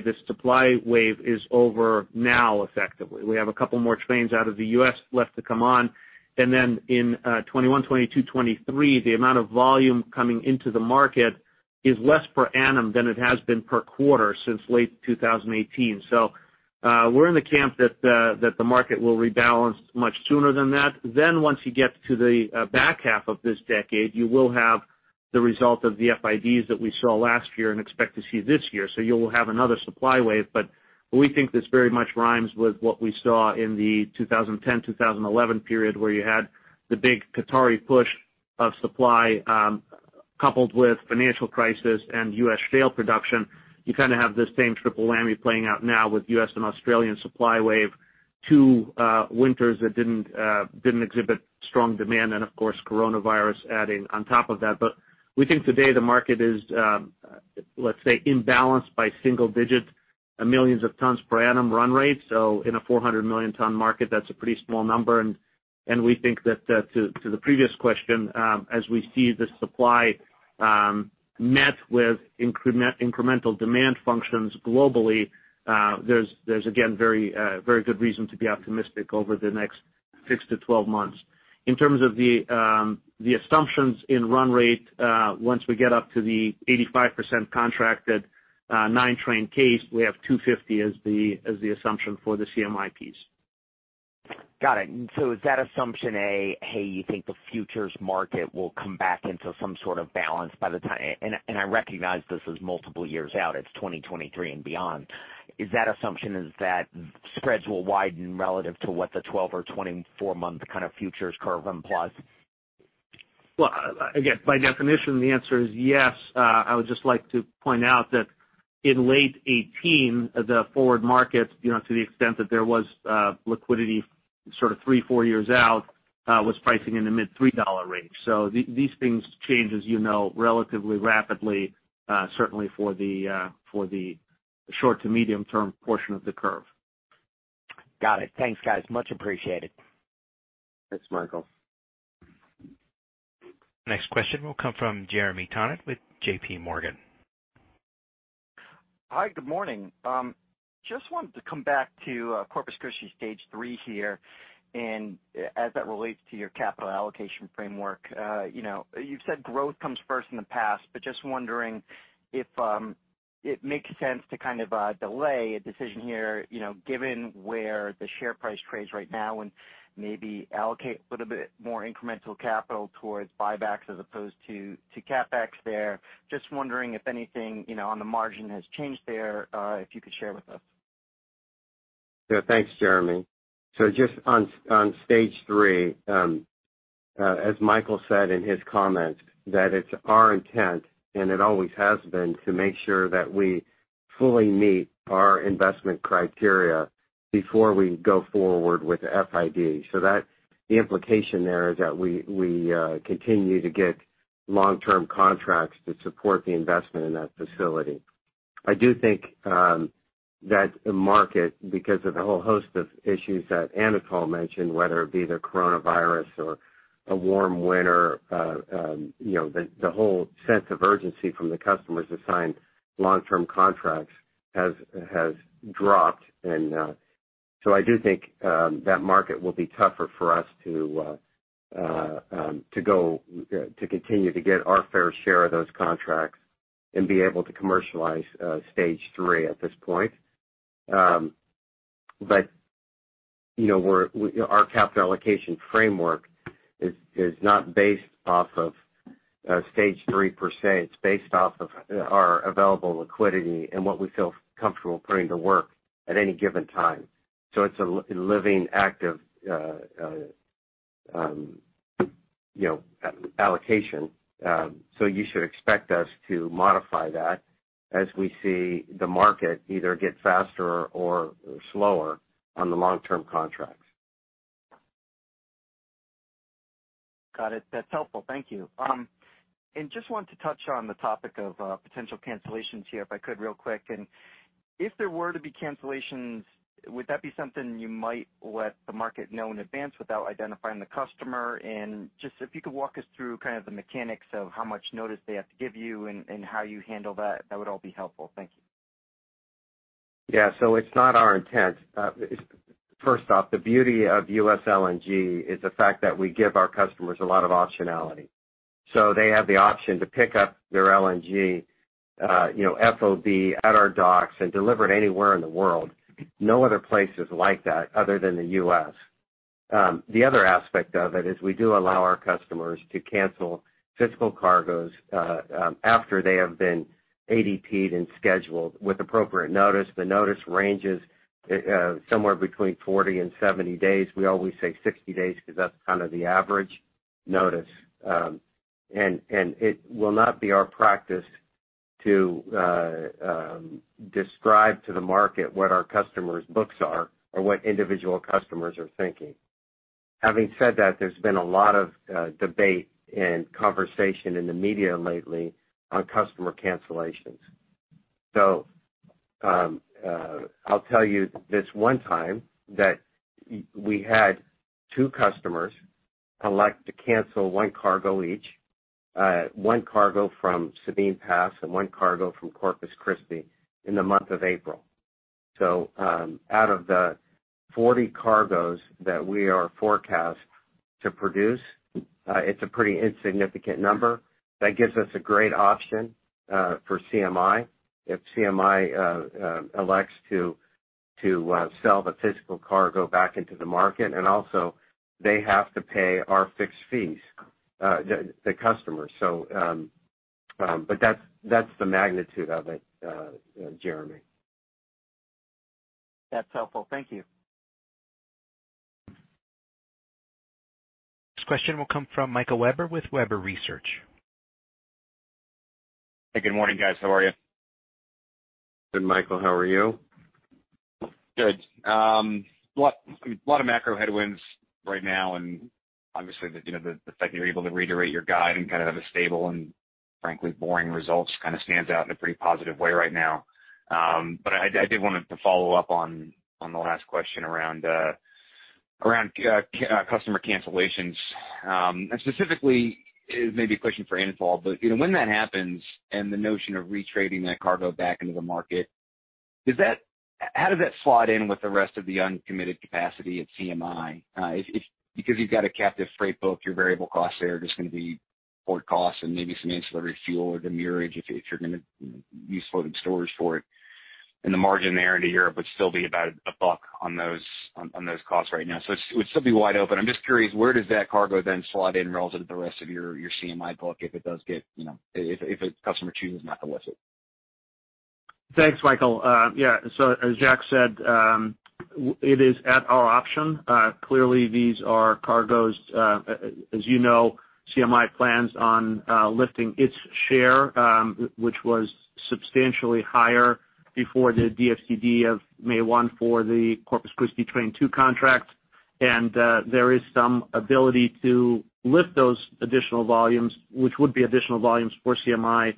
wave is over now, effectively. We have a couple more trains out of the U.S. left to come on, in 2021, 2022, 2023, the amount of volume coming into the market is less per annum than it has been per quarter since late 2018. We're in the camp that the market will rebalance much sooner than that. Once you get to the back half of this decade, you will have the result of the FIDs that we saw last year and expect to see this year. You will have another supply wave. We think this very much rhymes with what we saw in the 2010-2011 period, where you had the big Qatari push of supply, coupled with financial crisis and U.S. shale production. You kind of have the same triple whammy playing out now with U.S. and Australian supply wave, two winters that didn't exhibit strong demand, and of course, coronavirus adding on top of that. We think today the market is, let's say, imbalanced by single digits, millions of tons per annum run rate. In a 400-million-ton market, that's a pretty small number. We think that to the previous question, as we see the supply met with incremental demand functions globally, there's again, very good reason to be optimistic over the next six to 12 months. In terms of the assumptions in run rate, once we get up to the 85% contracted nine-train case, we have $250 as the assumption for the CMI piece. Got it. Is that assumption you think the futures market will come back into some sort of balance by the tie. And I recognize this is multiple years out, it's 2023 and beyond. Is that assumption that spreads will widen relative to what the 12- or 24-month kind of futures curve implies? Well, again, by definition, the answer is yes. I would just like to point out that in late 2018, the forward market, to the extent that there was liquidity sort of three, four years out, was pricing in the mid $3 range. These things change, as you know, relatively rapidly, certainly for the short- to medium-term portion of the curve. Got it. Thanks, guys. Much appreciated. Thanks, Michael. Next question will come from Jeremy Tonet with J.P. Morgan. Hi, good morning. Just wanted to come back to Corpus Christi Stage 3 here, and as that relates to your capital allocation framework. You've said growth comes first in the past, but just wondering if it makes sense to kind of delay a decision here, given where the share price trades right now, and maybe allocate a little bit more incremental capital towards buybacks as opposed to CapEx there. Just wondering if anything on the margin has changed there, if you could share with us. Thanks, Jeremy. Just on stage 3, as Michael said in his comments, that it's our intent, and it always has been, to make sure that we fully meet our investment criteria before we go forward with FID. The implication there is that we continue to get long-term contracts that support the investment in that facility. I do think that the market, because of the whole host of issues that Anatol mentioned, whether it be the coronavirus or a warm winter, the whole sense of urgency from the customers to sign long-term contracts has dropped. I do think that market will be tougher for us to continue to get our fair share of those contracts and be able to commercialize stage 3 at this point. Our capital allocation framework is not based off of stage 3 per se. It's based off of our available liquidity and what we feel comfortable putting to work at any given time. It's a living, active allocation. You should expect us to modify that as we see the market either get faster or slower on the long-term contracts. Got it. That's helpful. Thank you. Just want to touch on the topic of potential cancellations here, if I could, real quick. If there were to be cancellations, would that be something you might let the market know in advance without identifying the customer? Just if you could walk us through kind of the mechanics of how much notice they have to give you and how you handle that would all be helpful. Thank you. Yeah. It's not our intent. First off, the beauty of U.S. LNG is the fact that we give our customers a lot of optionality. They have the option to pick up their LNG, FOB at our docks and deliver it anywhere in the world. No other place is like that other than the U.S. The other aspect of it is we do allow our customers to cancel physical cargoes after they have been ADP'd and scheduled with appropriate notice. The notice range is somewhere between 40 and 70 days. We always say 60 days because that's kind of the average notice. It will not be our practice to describe to the market what our customers' books are or what individual customers are thinking. Having said that, there's been a lot of debate and conversation in the media lately on customer cancellations. I'll tell you this one time that we had two customers elect to cancel one cargo each. One cargo from Sabine Pass and one cargo from Corpus Christi in the month of April. Out of the 40 cargoes that we are forecast to produce, it's a pretty insignificant number. That gives us a great option for CMI if CMI elects to sell the physical cargo back into the market. Also, they have to pay our fixed fees, the customer. That's the magnitude of it, Jeremy. That's helpful. Thank you. Next question will come from Michael Webber with Webber Research. Hey, good morning, guys. How are you? Good, Michael, how are you? Good. Lot of macro headwinds right now, obviously the fact that you're able to reiterate your guide and kind of have a stable and frankly, boring results kind of stands out in a pretty positive way right now. I did want to follow up on the last question around customer cancellations. Specifically, it may be a question for Anatol, when that happens and the notion of retrading that cargo back into the market, how does that slot in with the rest of the uncommitted capacity at CMI? You've got a captive freight book, your variable costs there are just going to be port costs and maybe some ancillary fuel or the anchorage if you're going to use floating storage for it. The margin there into Europe would still be about a buck on those costs right now. It would still be wide open. I'm just curious, where does that cargo then slot in relative to the rest of your CMI book if a customer chooses not to list it? Thanks, Michael. As Jack said, it is at our option. Clearly, these are cargoes, as you know, CMI plans on lifting its share which was substantially higher before the DFCD of May 1 for the Corpus Christi Train 2 contract. There is some ability to lift those additional volumes, which would be additional volumes for CMI,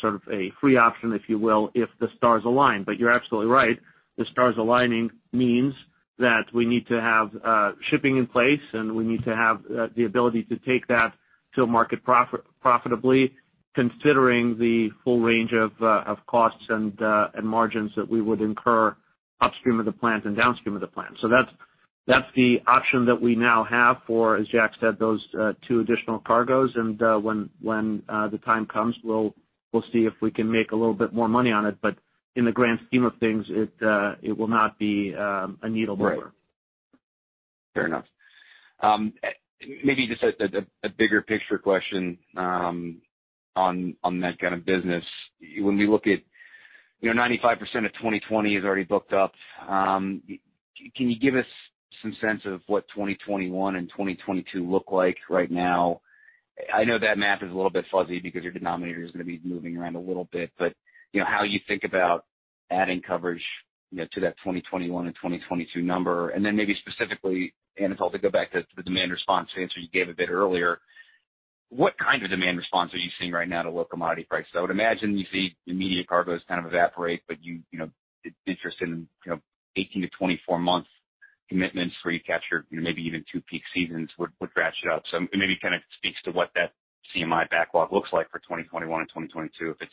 sort of a free option, if you will, if the stars align. You're absolutely right. The stars aligning means that we need to have shipping in place, and we need to have the ability to take that to market profitably, considering the full range of costs and margins that we would incur upstream of the plant and downstream of the plant. That's the option that we now have for, as Jack said, those two additional cargoes. When the time comes, we'll see if we can make a little bit more money on it. In the grand scheme of things, it will not be a needle mover. Right. Fair enough. Maybe just a bigger-picture question on that kind of business. When we look at 95% of 2020 is already booked up, can you give us some sense of what 2021 and 2022 look like right now? I know that math is a little bit fuzzy because your denominator is going to be moving around a little bit. But how you think about adding coverage to that 2021 and 2022 number, and then maybe specifically, Anatol Feygin, to go back to the demand response answer you gave a bit earlier, what kind of demand response are you seeing right now to low commodity prices? I would imagine you see immediate cargoes kind of evaporate, but interest in 18-24 month commitments where you capture maybe even two peak seasons would ratchet up. Maybe kind of speaks to what that CMI backlog looks like for 2021 and 2022, if it's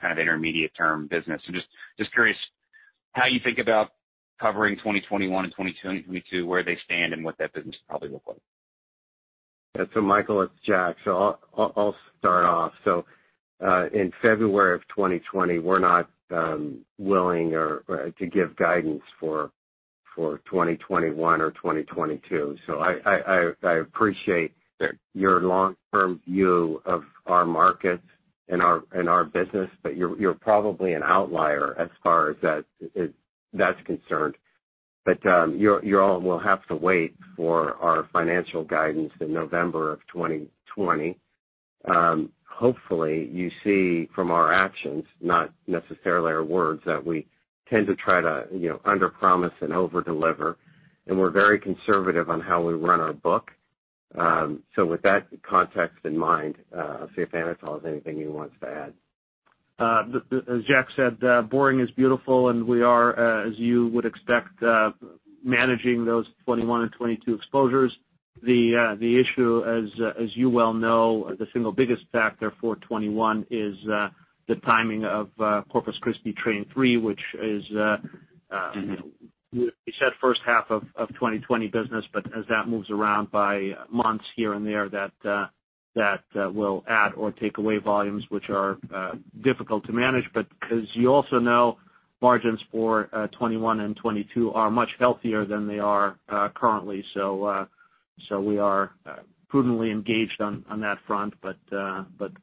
kind of intermediate-term business. Just curious how you think about covering 2021 and 2022, where they stand and what that business will probably look like. Michael, it's Jack. I'll start off. In February of 2020, we're not willing to give guidance for 2021 or 2022. I appreciate your long-term view of our markets and our business, but you're probably an outlier as far as that's concerned. You all will have to wait for our financial guidance in November of 2020. Hopefully you see from our actions, not necessarily our words, that we tend to try to underpromise and overdeliver, and we're very conservative on how we run our book. With that context in mind, I'll see if Anatol has anything he wants to add. As Jack said, boring is beautiful, and we are, as you would expect, managing those 2021 and 2022 exposures. The issue, as you well know, the single biggest factor for 2021 is the timing of Corpus Christi Train 3. We said first half of 2020 business, but as that moves around by months here and there, that will add or take away volumes which are difficult to manage. As you also know, margins for 2021 and 2022 are much healthier than they are currently. We are prudently engaged on that front, but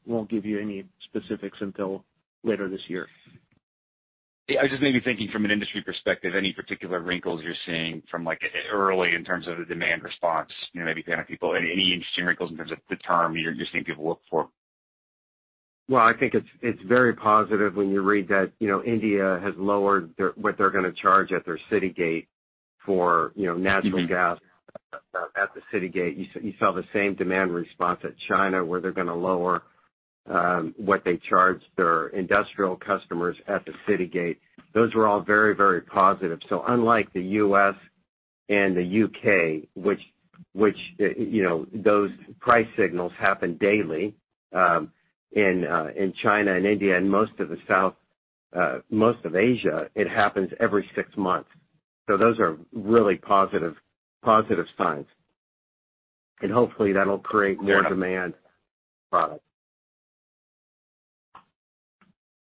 won't give you any specifics until later this year. Yeah. I was just maybe thinking from an industry perspective, any particular wrinkles you're seeing from early in terms of the demand response, maybe panic people. Any interesting wrinkles in terms of the term you're seeing people look for? I think it's very positive when you read that India has lowered what they're going to charge at their city gate for natural gas at the city gate. You saw the same demand response at China, where they're going to lower what they charge their industrial customers at the city gate. Those were all very, very positive. Unlike the U.S. and the U.K., which those price signals happen daily, in China and India and most of Asia, it happens every six months. Those are really positive signs, and hopefully that'll create more demand for product.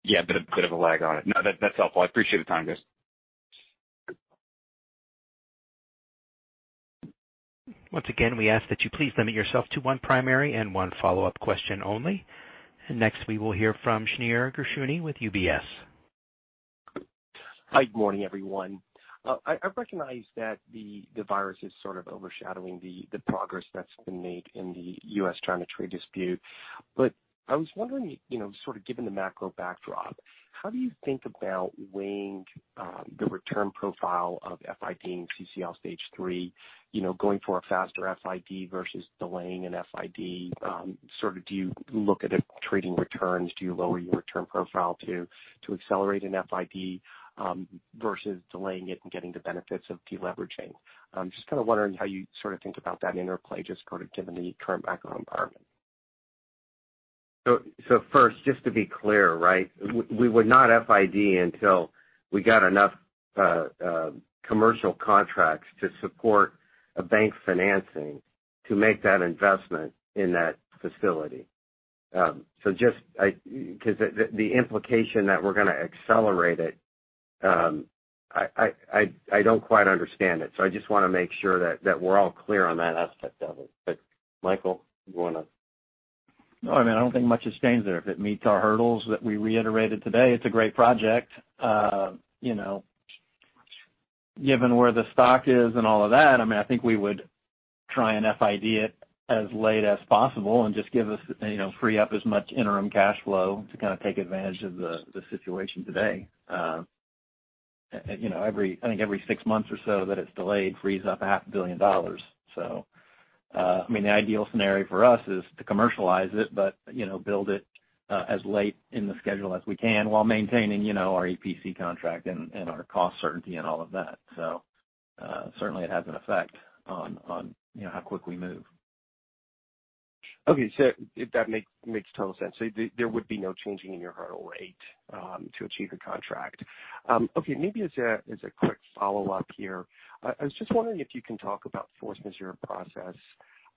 Yeah, a bit of a lag on it. No, that's helpful. I appreciate the time, guys. Once again, we ask that you please limit yourself to one primary and one follow-up question only. Next, we will hear from Shneur Gershuny with UBS. Hi, good morning, everyone. I recognize that the virus is sort of overshadowing the progress that's been made in the U.S.-China trade dispute. I was wondering, sort of given the macro backdrop, how do you think about weighing the return profile of FID and CCL stage 3, going for a faster FID versus delaying an FID? Sort of do you look at it trading returns? Do you lower your return profile to accelerate an FID versus delaying it and getting the benefits of de-leveraging? Just kind of wondering how you sort of think about that interplay, just kind of given the current macro environment. First, just to be clear, right? We would not FID until we got enough commercial contracts to support a bank financing to make that investment in that facility. The implication that we're going to accelerate it, I don't quite understand it. I just want to make sure that we're all clear on that aspect of it. Michael, you want to? No, I mean, I don't think much has changed there. If it meets our hurdles that we reiterated today, it's a great project. Given where the stock is and all of that, I think we would try and FID it as late as possible and just free up as much interim cash flow to kind of take advantage of the situation today. I think every six months or so that it's delayed frees up a $500 million. I mean, the ideal scenario for us is to commercialize it, but build it as late in the schedule as we can while maintaining our EPC contract and our cost certainty and all of that. Certainly it has an effect on how quick we move. Okay. That makes total sense. There would be no changing in your hurdle rate to achieve the contract. Okay. Maybe as a quick follow-up here. I was just wondering if you can talk about force majeure process.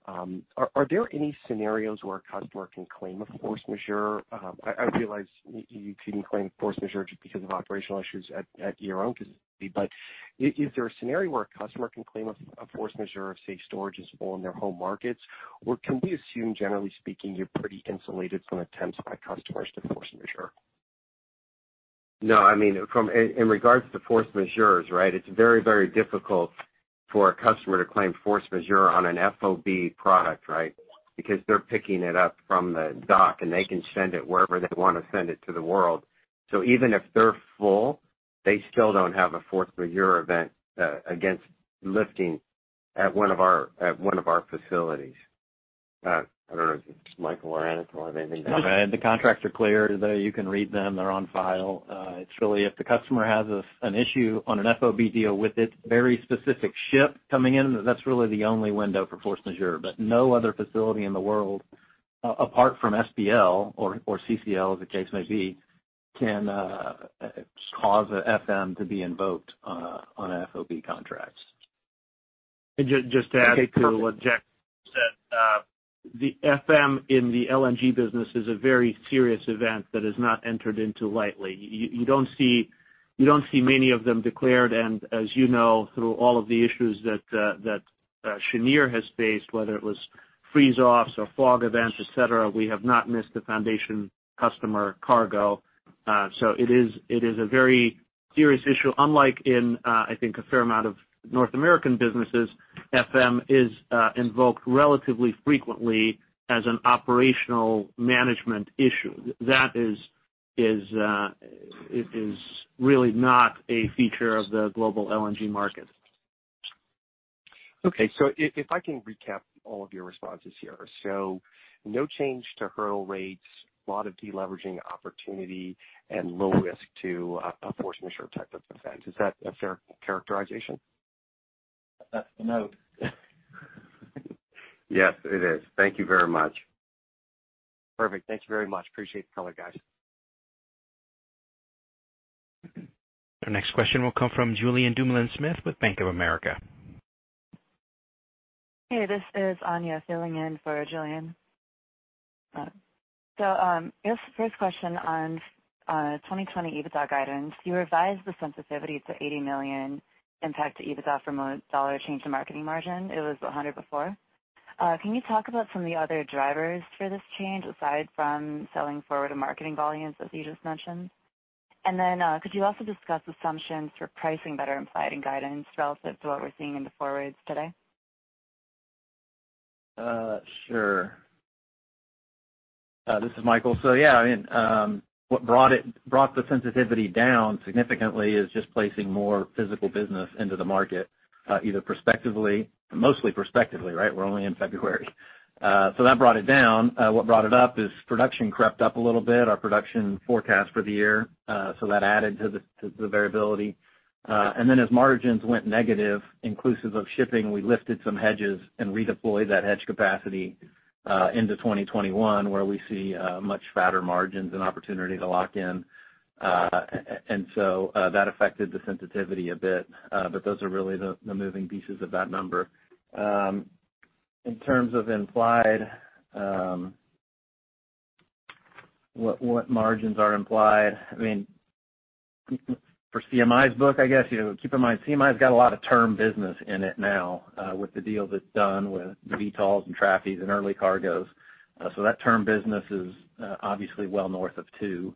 Are there any scenarios where a customer can claim a force majeure? I realize you couldn't claim force majeure just because of operational issues at your own facility. Is there a scenario where a customer can claim a force majeure if, say, storage is full in their home markets? Can we assume, generally speaking, you're pretty insulated from attempts by customers to force majeure? No, I mean, in regards to force majeures, right? It's very, very difficult for a customer to claim force majeure on an FOB product, right? Because they're picking it up from the dock, and they can send it wherever they want to send it to the world. Even if they're full, they still don't have a force majeure event against lifting at one of our facilities. I don't know if Michael or Anatol have anything to add. No. The contracts are clear. You can read them. They're on file. It's really if the customer has an issue on an FOB deal with a very specific ship coming in, that's really the only window for force majeure. No other facility in the world, apart from SPL or CCL, as the case may be, can cause a FM to be invoked on FOB contracts. Okay. Perfect. Just to add to what Jack said. The FM in the LNG business is a very serious event that is not entered into lightly. You don't see many of them declared, and as you know, through all of the issues that Cheniere has faced, whether it was freeze-offs or fog events, et cetera, we have not missed a foundation customer cargo. It is a very serious issue. Unlike in, I think, a fair amount of North American businesses, FM is invoked relatively frequently as an operational management issue. That is really not a feature of the global LNG market. Okay. If I can recap all of your responses here. No change to hurdle rates, lot of deleveraging opportunity and low risk to a force majeure type of event. Is that a fair characterization? That's the note. Yes, it is. Thank you very much. Perfect. Thanks very much. Appreciate the color, guys. Our next question will come from Julien Dumoulin-Smith with Bank of America. Hey, this is Anya filling in for Julien. First question on 2020 EBITDA guidance. You revised the sensitivity to $80 million impact to EBITDA from a dollar change to marketing margin. It was $100 before. Can you talk about some of the other drivers for this change, aside from selling forward to marketing volumes as you just mentioned? Could you also discuss assumptions for pricing that are implied in guidance relative to what we're seeing in the forwards today? Sure. This is Michael. What brought the sensitivity down significantly is just placing more physical business into the market, either prospectively, mostly prospectively, right? We're only in February. That brought it down. What brought it up is production crept up a little bit, our production forecast for the year. That added to the variability. As margins went negative, inclusive of shipping, we lifted some hedges and redeployed that hedge capacity into 2021, where we see much fatter margins and opportunity to lock in. That affected the sensitivity a bit. Those are really the moving pieces of that number. In terms of what margins are implied. For CMI's book, I guess, keep in mind, CMI's got a lot of term business in it now with the deals it's done with Vitol and Trafigura and early cargoes. That term business is obviously well north of $2.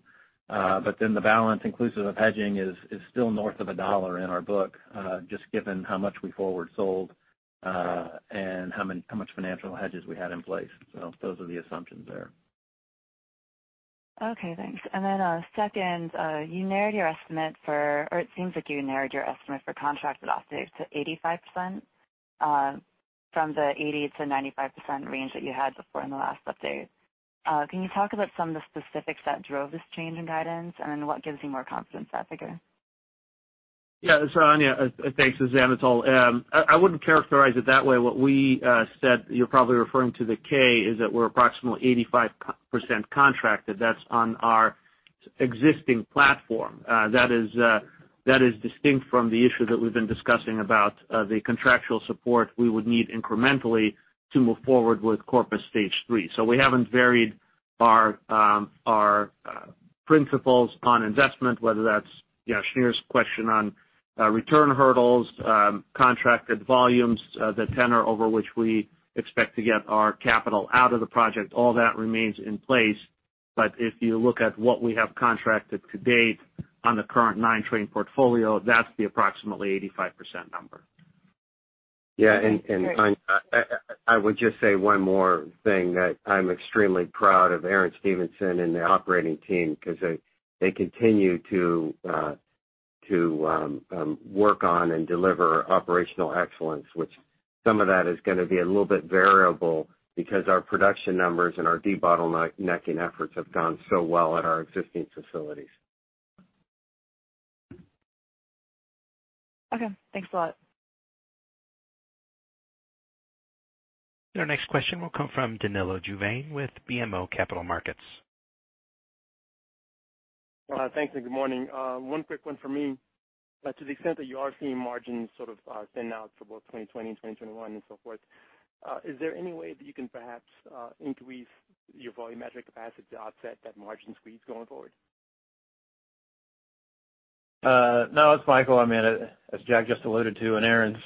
The balance inclusive of hedging is still north of $1 in our book, just given how much we forward sold, and how much financial hedges we had in place. Those are the assumptions there. Okay, thanks. Then, second, it seems like you narrowed your estimate for contracted off-takes to 85%, from the 80%-95% range that you had before in the last update. Can you talk about some of the specifics that drove this change in guidance, then what gives you more confidence in that figure? Yeah. Anya, thanks. This is Anatol. I wouldn't characterize it that way. What we said, you're probably referring to the K, is that we're approximately 85% contracted. That's on our existing platform. That is distinct from the issue that we've been discussing about the contractual support we would need incrementally to move forward with Corpus stage 3. We haven't varied our principles on investment, whether that's Shneur's question on return hurdles, contracted volumes, the tenor over which we expect to get our capital out of the project. All that remains in place, but if you look at what we have contracted to date on the current nine-train portfolio, that's the approximately 85% number. Yeah. I would just say one more thing, that I'm extremely proud of Aaron Stephenson and the operating team because they continue to work on and deliver operational excellence, which some of that is gonna be a little bit variable because our production numbers and our debottlenecking efforts have gone so well at our existing facilities. Okay. Thanks a lot. Our next question will come from Danilo Juvane with BMO Capital Markets. Thanks. Good morning. One quick one for me. To the extent that you are seeing margins sort of thin out for both 2020 and 2021 and so forth, is there any way that you can perhaps increase your volumetric capacity to offset that margin squeeze going forward? No, it's Michael. As Jack just alluded to, Aaron's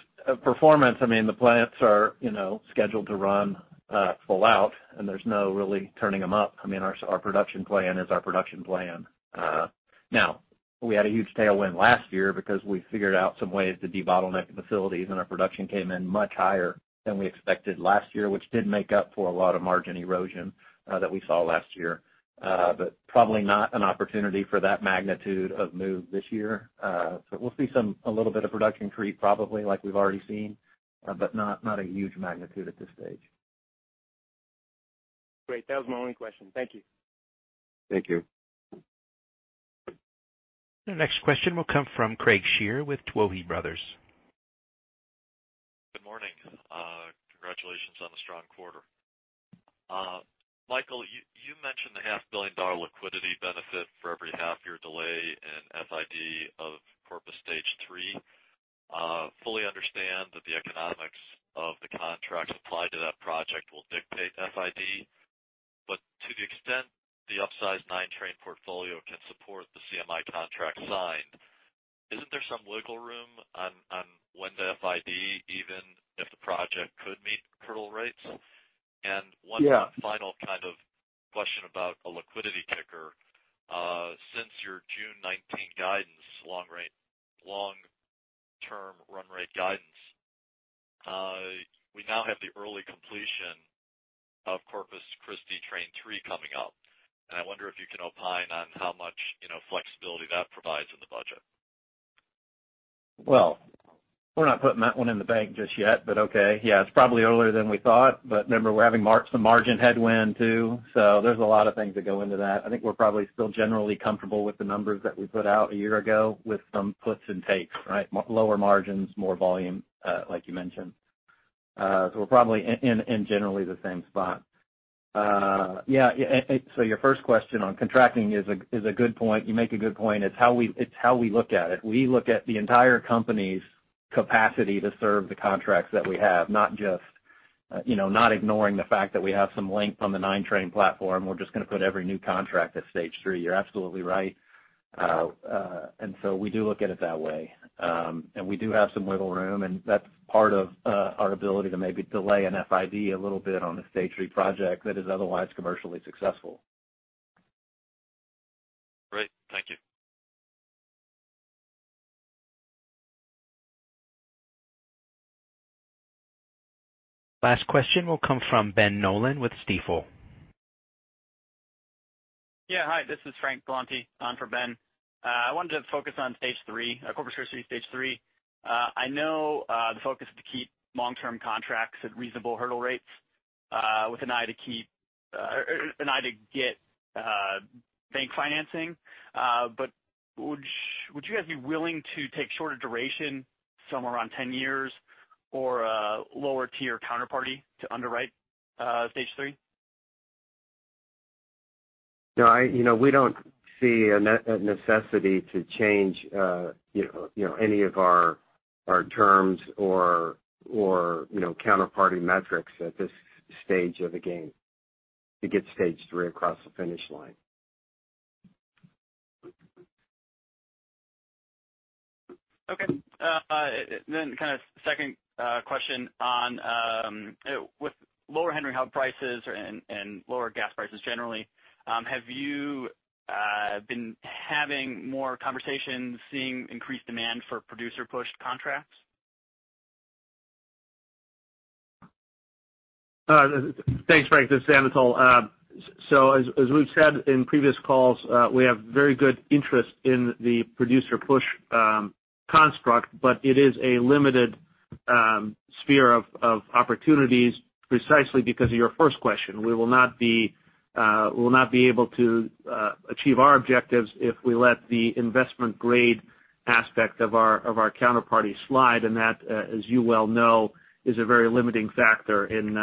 performance, the plants are scheduled to run full out, there's no really turning them up. Our production plan is our production plan. Now, we had a huge tailwind last year because we figured out some ways to debottleneck the facilities, our production came in much higher than we expected last year, which did make up for a lot of margin erosion that we saw last year. Probably not an opportunity for that magnitude of move this year. We'll see a little bit of production creep, probably like we've already seen, not a huge magnitude at this stage. Great. That was my only question. Thank you. Thank you. Our next question will come from Craig Shere with Tuohy Brothers. Good morning. Congratulations on the strong quarter. Michael, you mentioned the half-billion-dollar liquidity benefit for every half-year delay in FID of Corpus stage 3. Fully understand that the economics of the contracts applied to that project will dictate FID. To the extent the upsized nine-train portfolio can support the CMI contract signed isn't there some wiggle room on when to FID, even if the project could meet hurdle rates? Yeah. Final kind of question about a liquidity kicker. Since your June 19th guidance, long-term run rate guidance, we now have the early completion of Corpus Christi Train 3 coming up. I wonder if you can opine on how much flexibility that provides in the budget. We're not putting that one in the bank just yet, but okay. Yeah, it's probably earlier than we thought, but remember, we're having some margin headwind, too. There's a lot of things that go into that. I think we're probably still generally comfortable with the numbers that we put out a year ago with some puts and takes, right? Lower margins, more volume, like you mentioned. We're probably in generally the same spot. Yeah. Your first question on contracting is a good point. You make a good point. It's how we look at it. We look at the entire company's capacity to serve the contracts that we have, not ignoring the fact that we have some length on the nine-train platform. We're just going to put every new contract at stage 3. You're absolutely right. We do look at it that way. We do have some wiggle room, and that's part of our ability to maybe delay an FID a little bit on a stage 3 project that is otherwise commercially successful. Great. Thank you. Last question will come from Ben Nolan with Stifel. Yeah. Hi, this is Frank Galanti on for Ben. I wanted to focus on stage 3, Corpus Christi Stage 3. I know the focus is to keep long-term contracts at reasonable hurdle rates, with an eye to get bank financing. Would you guys be willing to take shorter duration, somewhere around 10 years, or a lower-tier counterparty to underwrite stage 3? No, we don't see a necessity to change any of our terms or counterparty metrics at this stage of the game to get stage 3 across the finish line. Okay. kind of second question on with lower Henry Hub prices and lower gas prices generally, have you been having more conversations, seeing increased demand for producer-push contracts? Thanks, Frank. This is Anatol. As we've said in previous calls, we have very good interest in the producer push construct, but it is a limited sphere of opportunities precisely because of your first question. We will not be able to achieve our objectives if we let the investment-grade aspect of our counterparty slide, and that, as you well know, is a very limiting factor in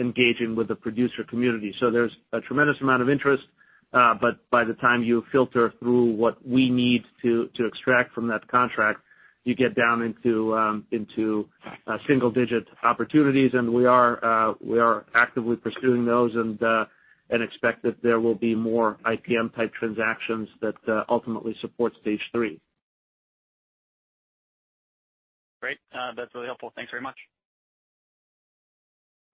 engaging with the producer community. There's a tremendous amount of interest, but by the time you filter through what we need to extract from that contract, you get down into single-digit opportunities, and we are actively pursuing those and expect that there will be more IPM-type transactions that ultimately support stage 3. Great. That's really helpful. Thanks very much.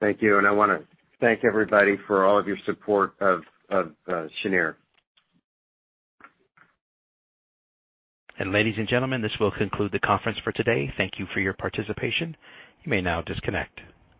Thank you. I want to thank everybody for all of your support of Cheniere. Ladies and gentlemen, this will conclude the conference for today. Thank you for your participation. You may now disconnect.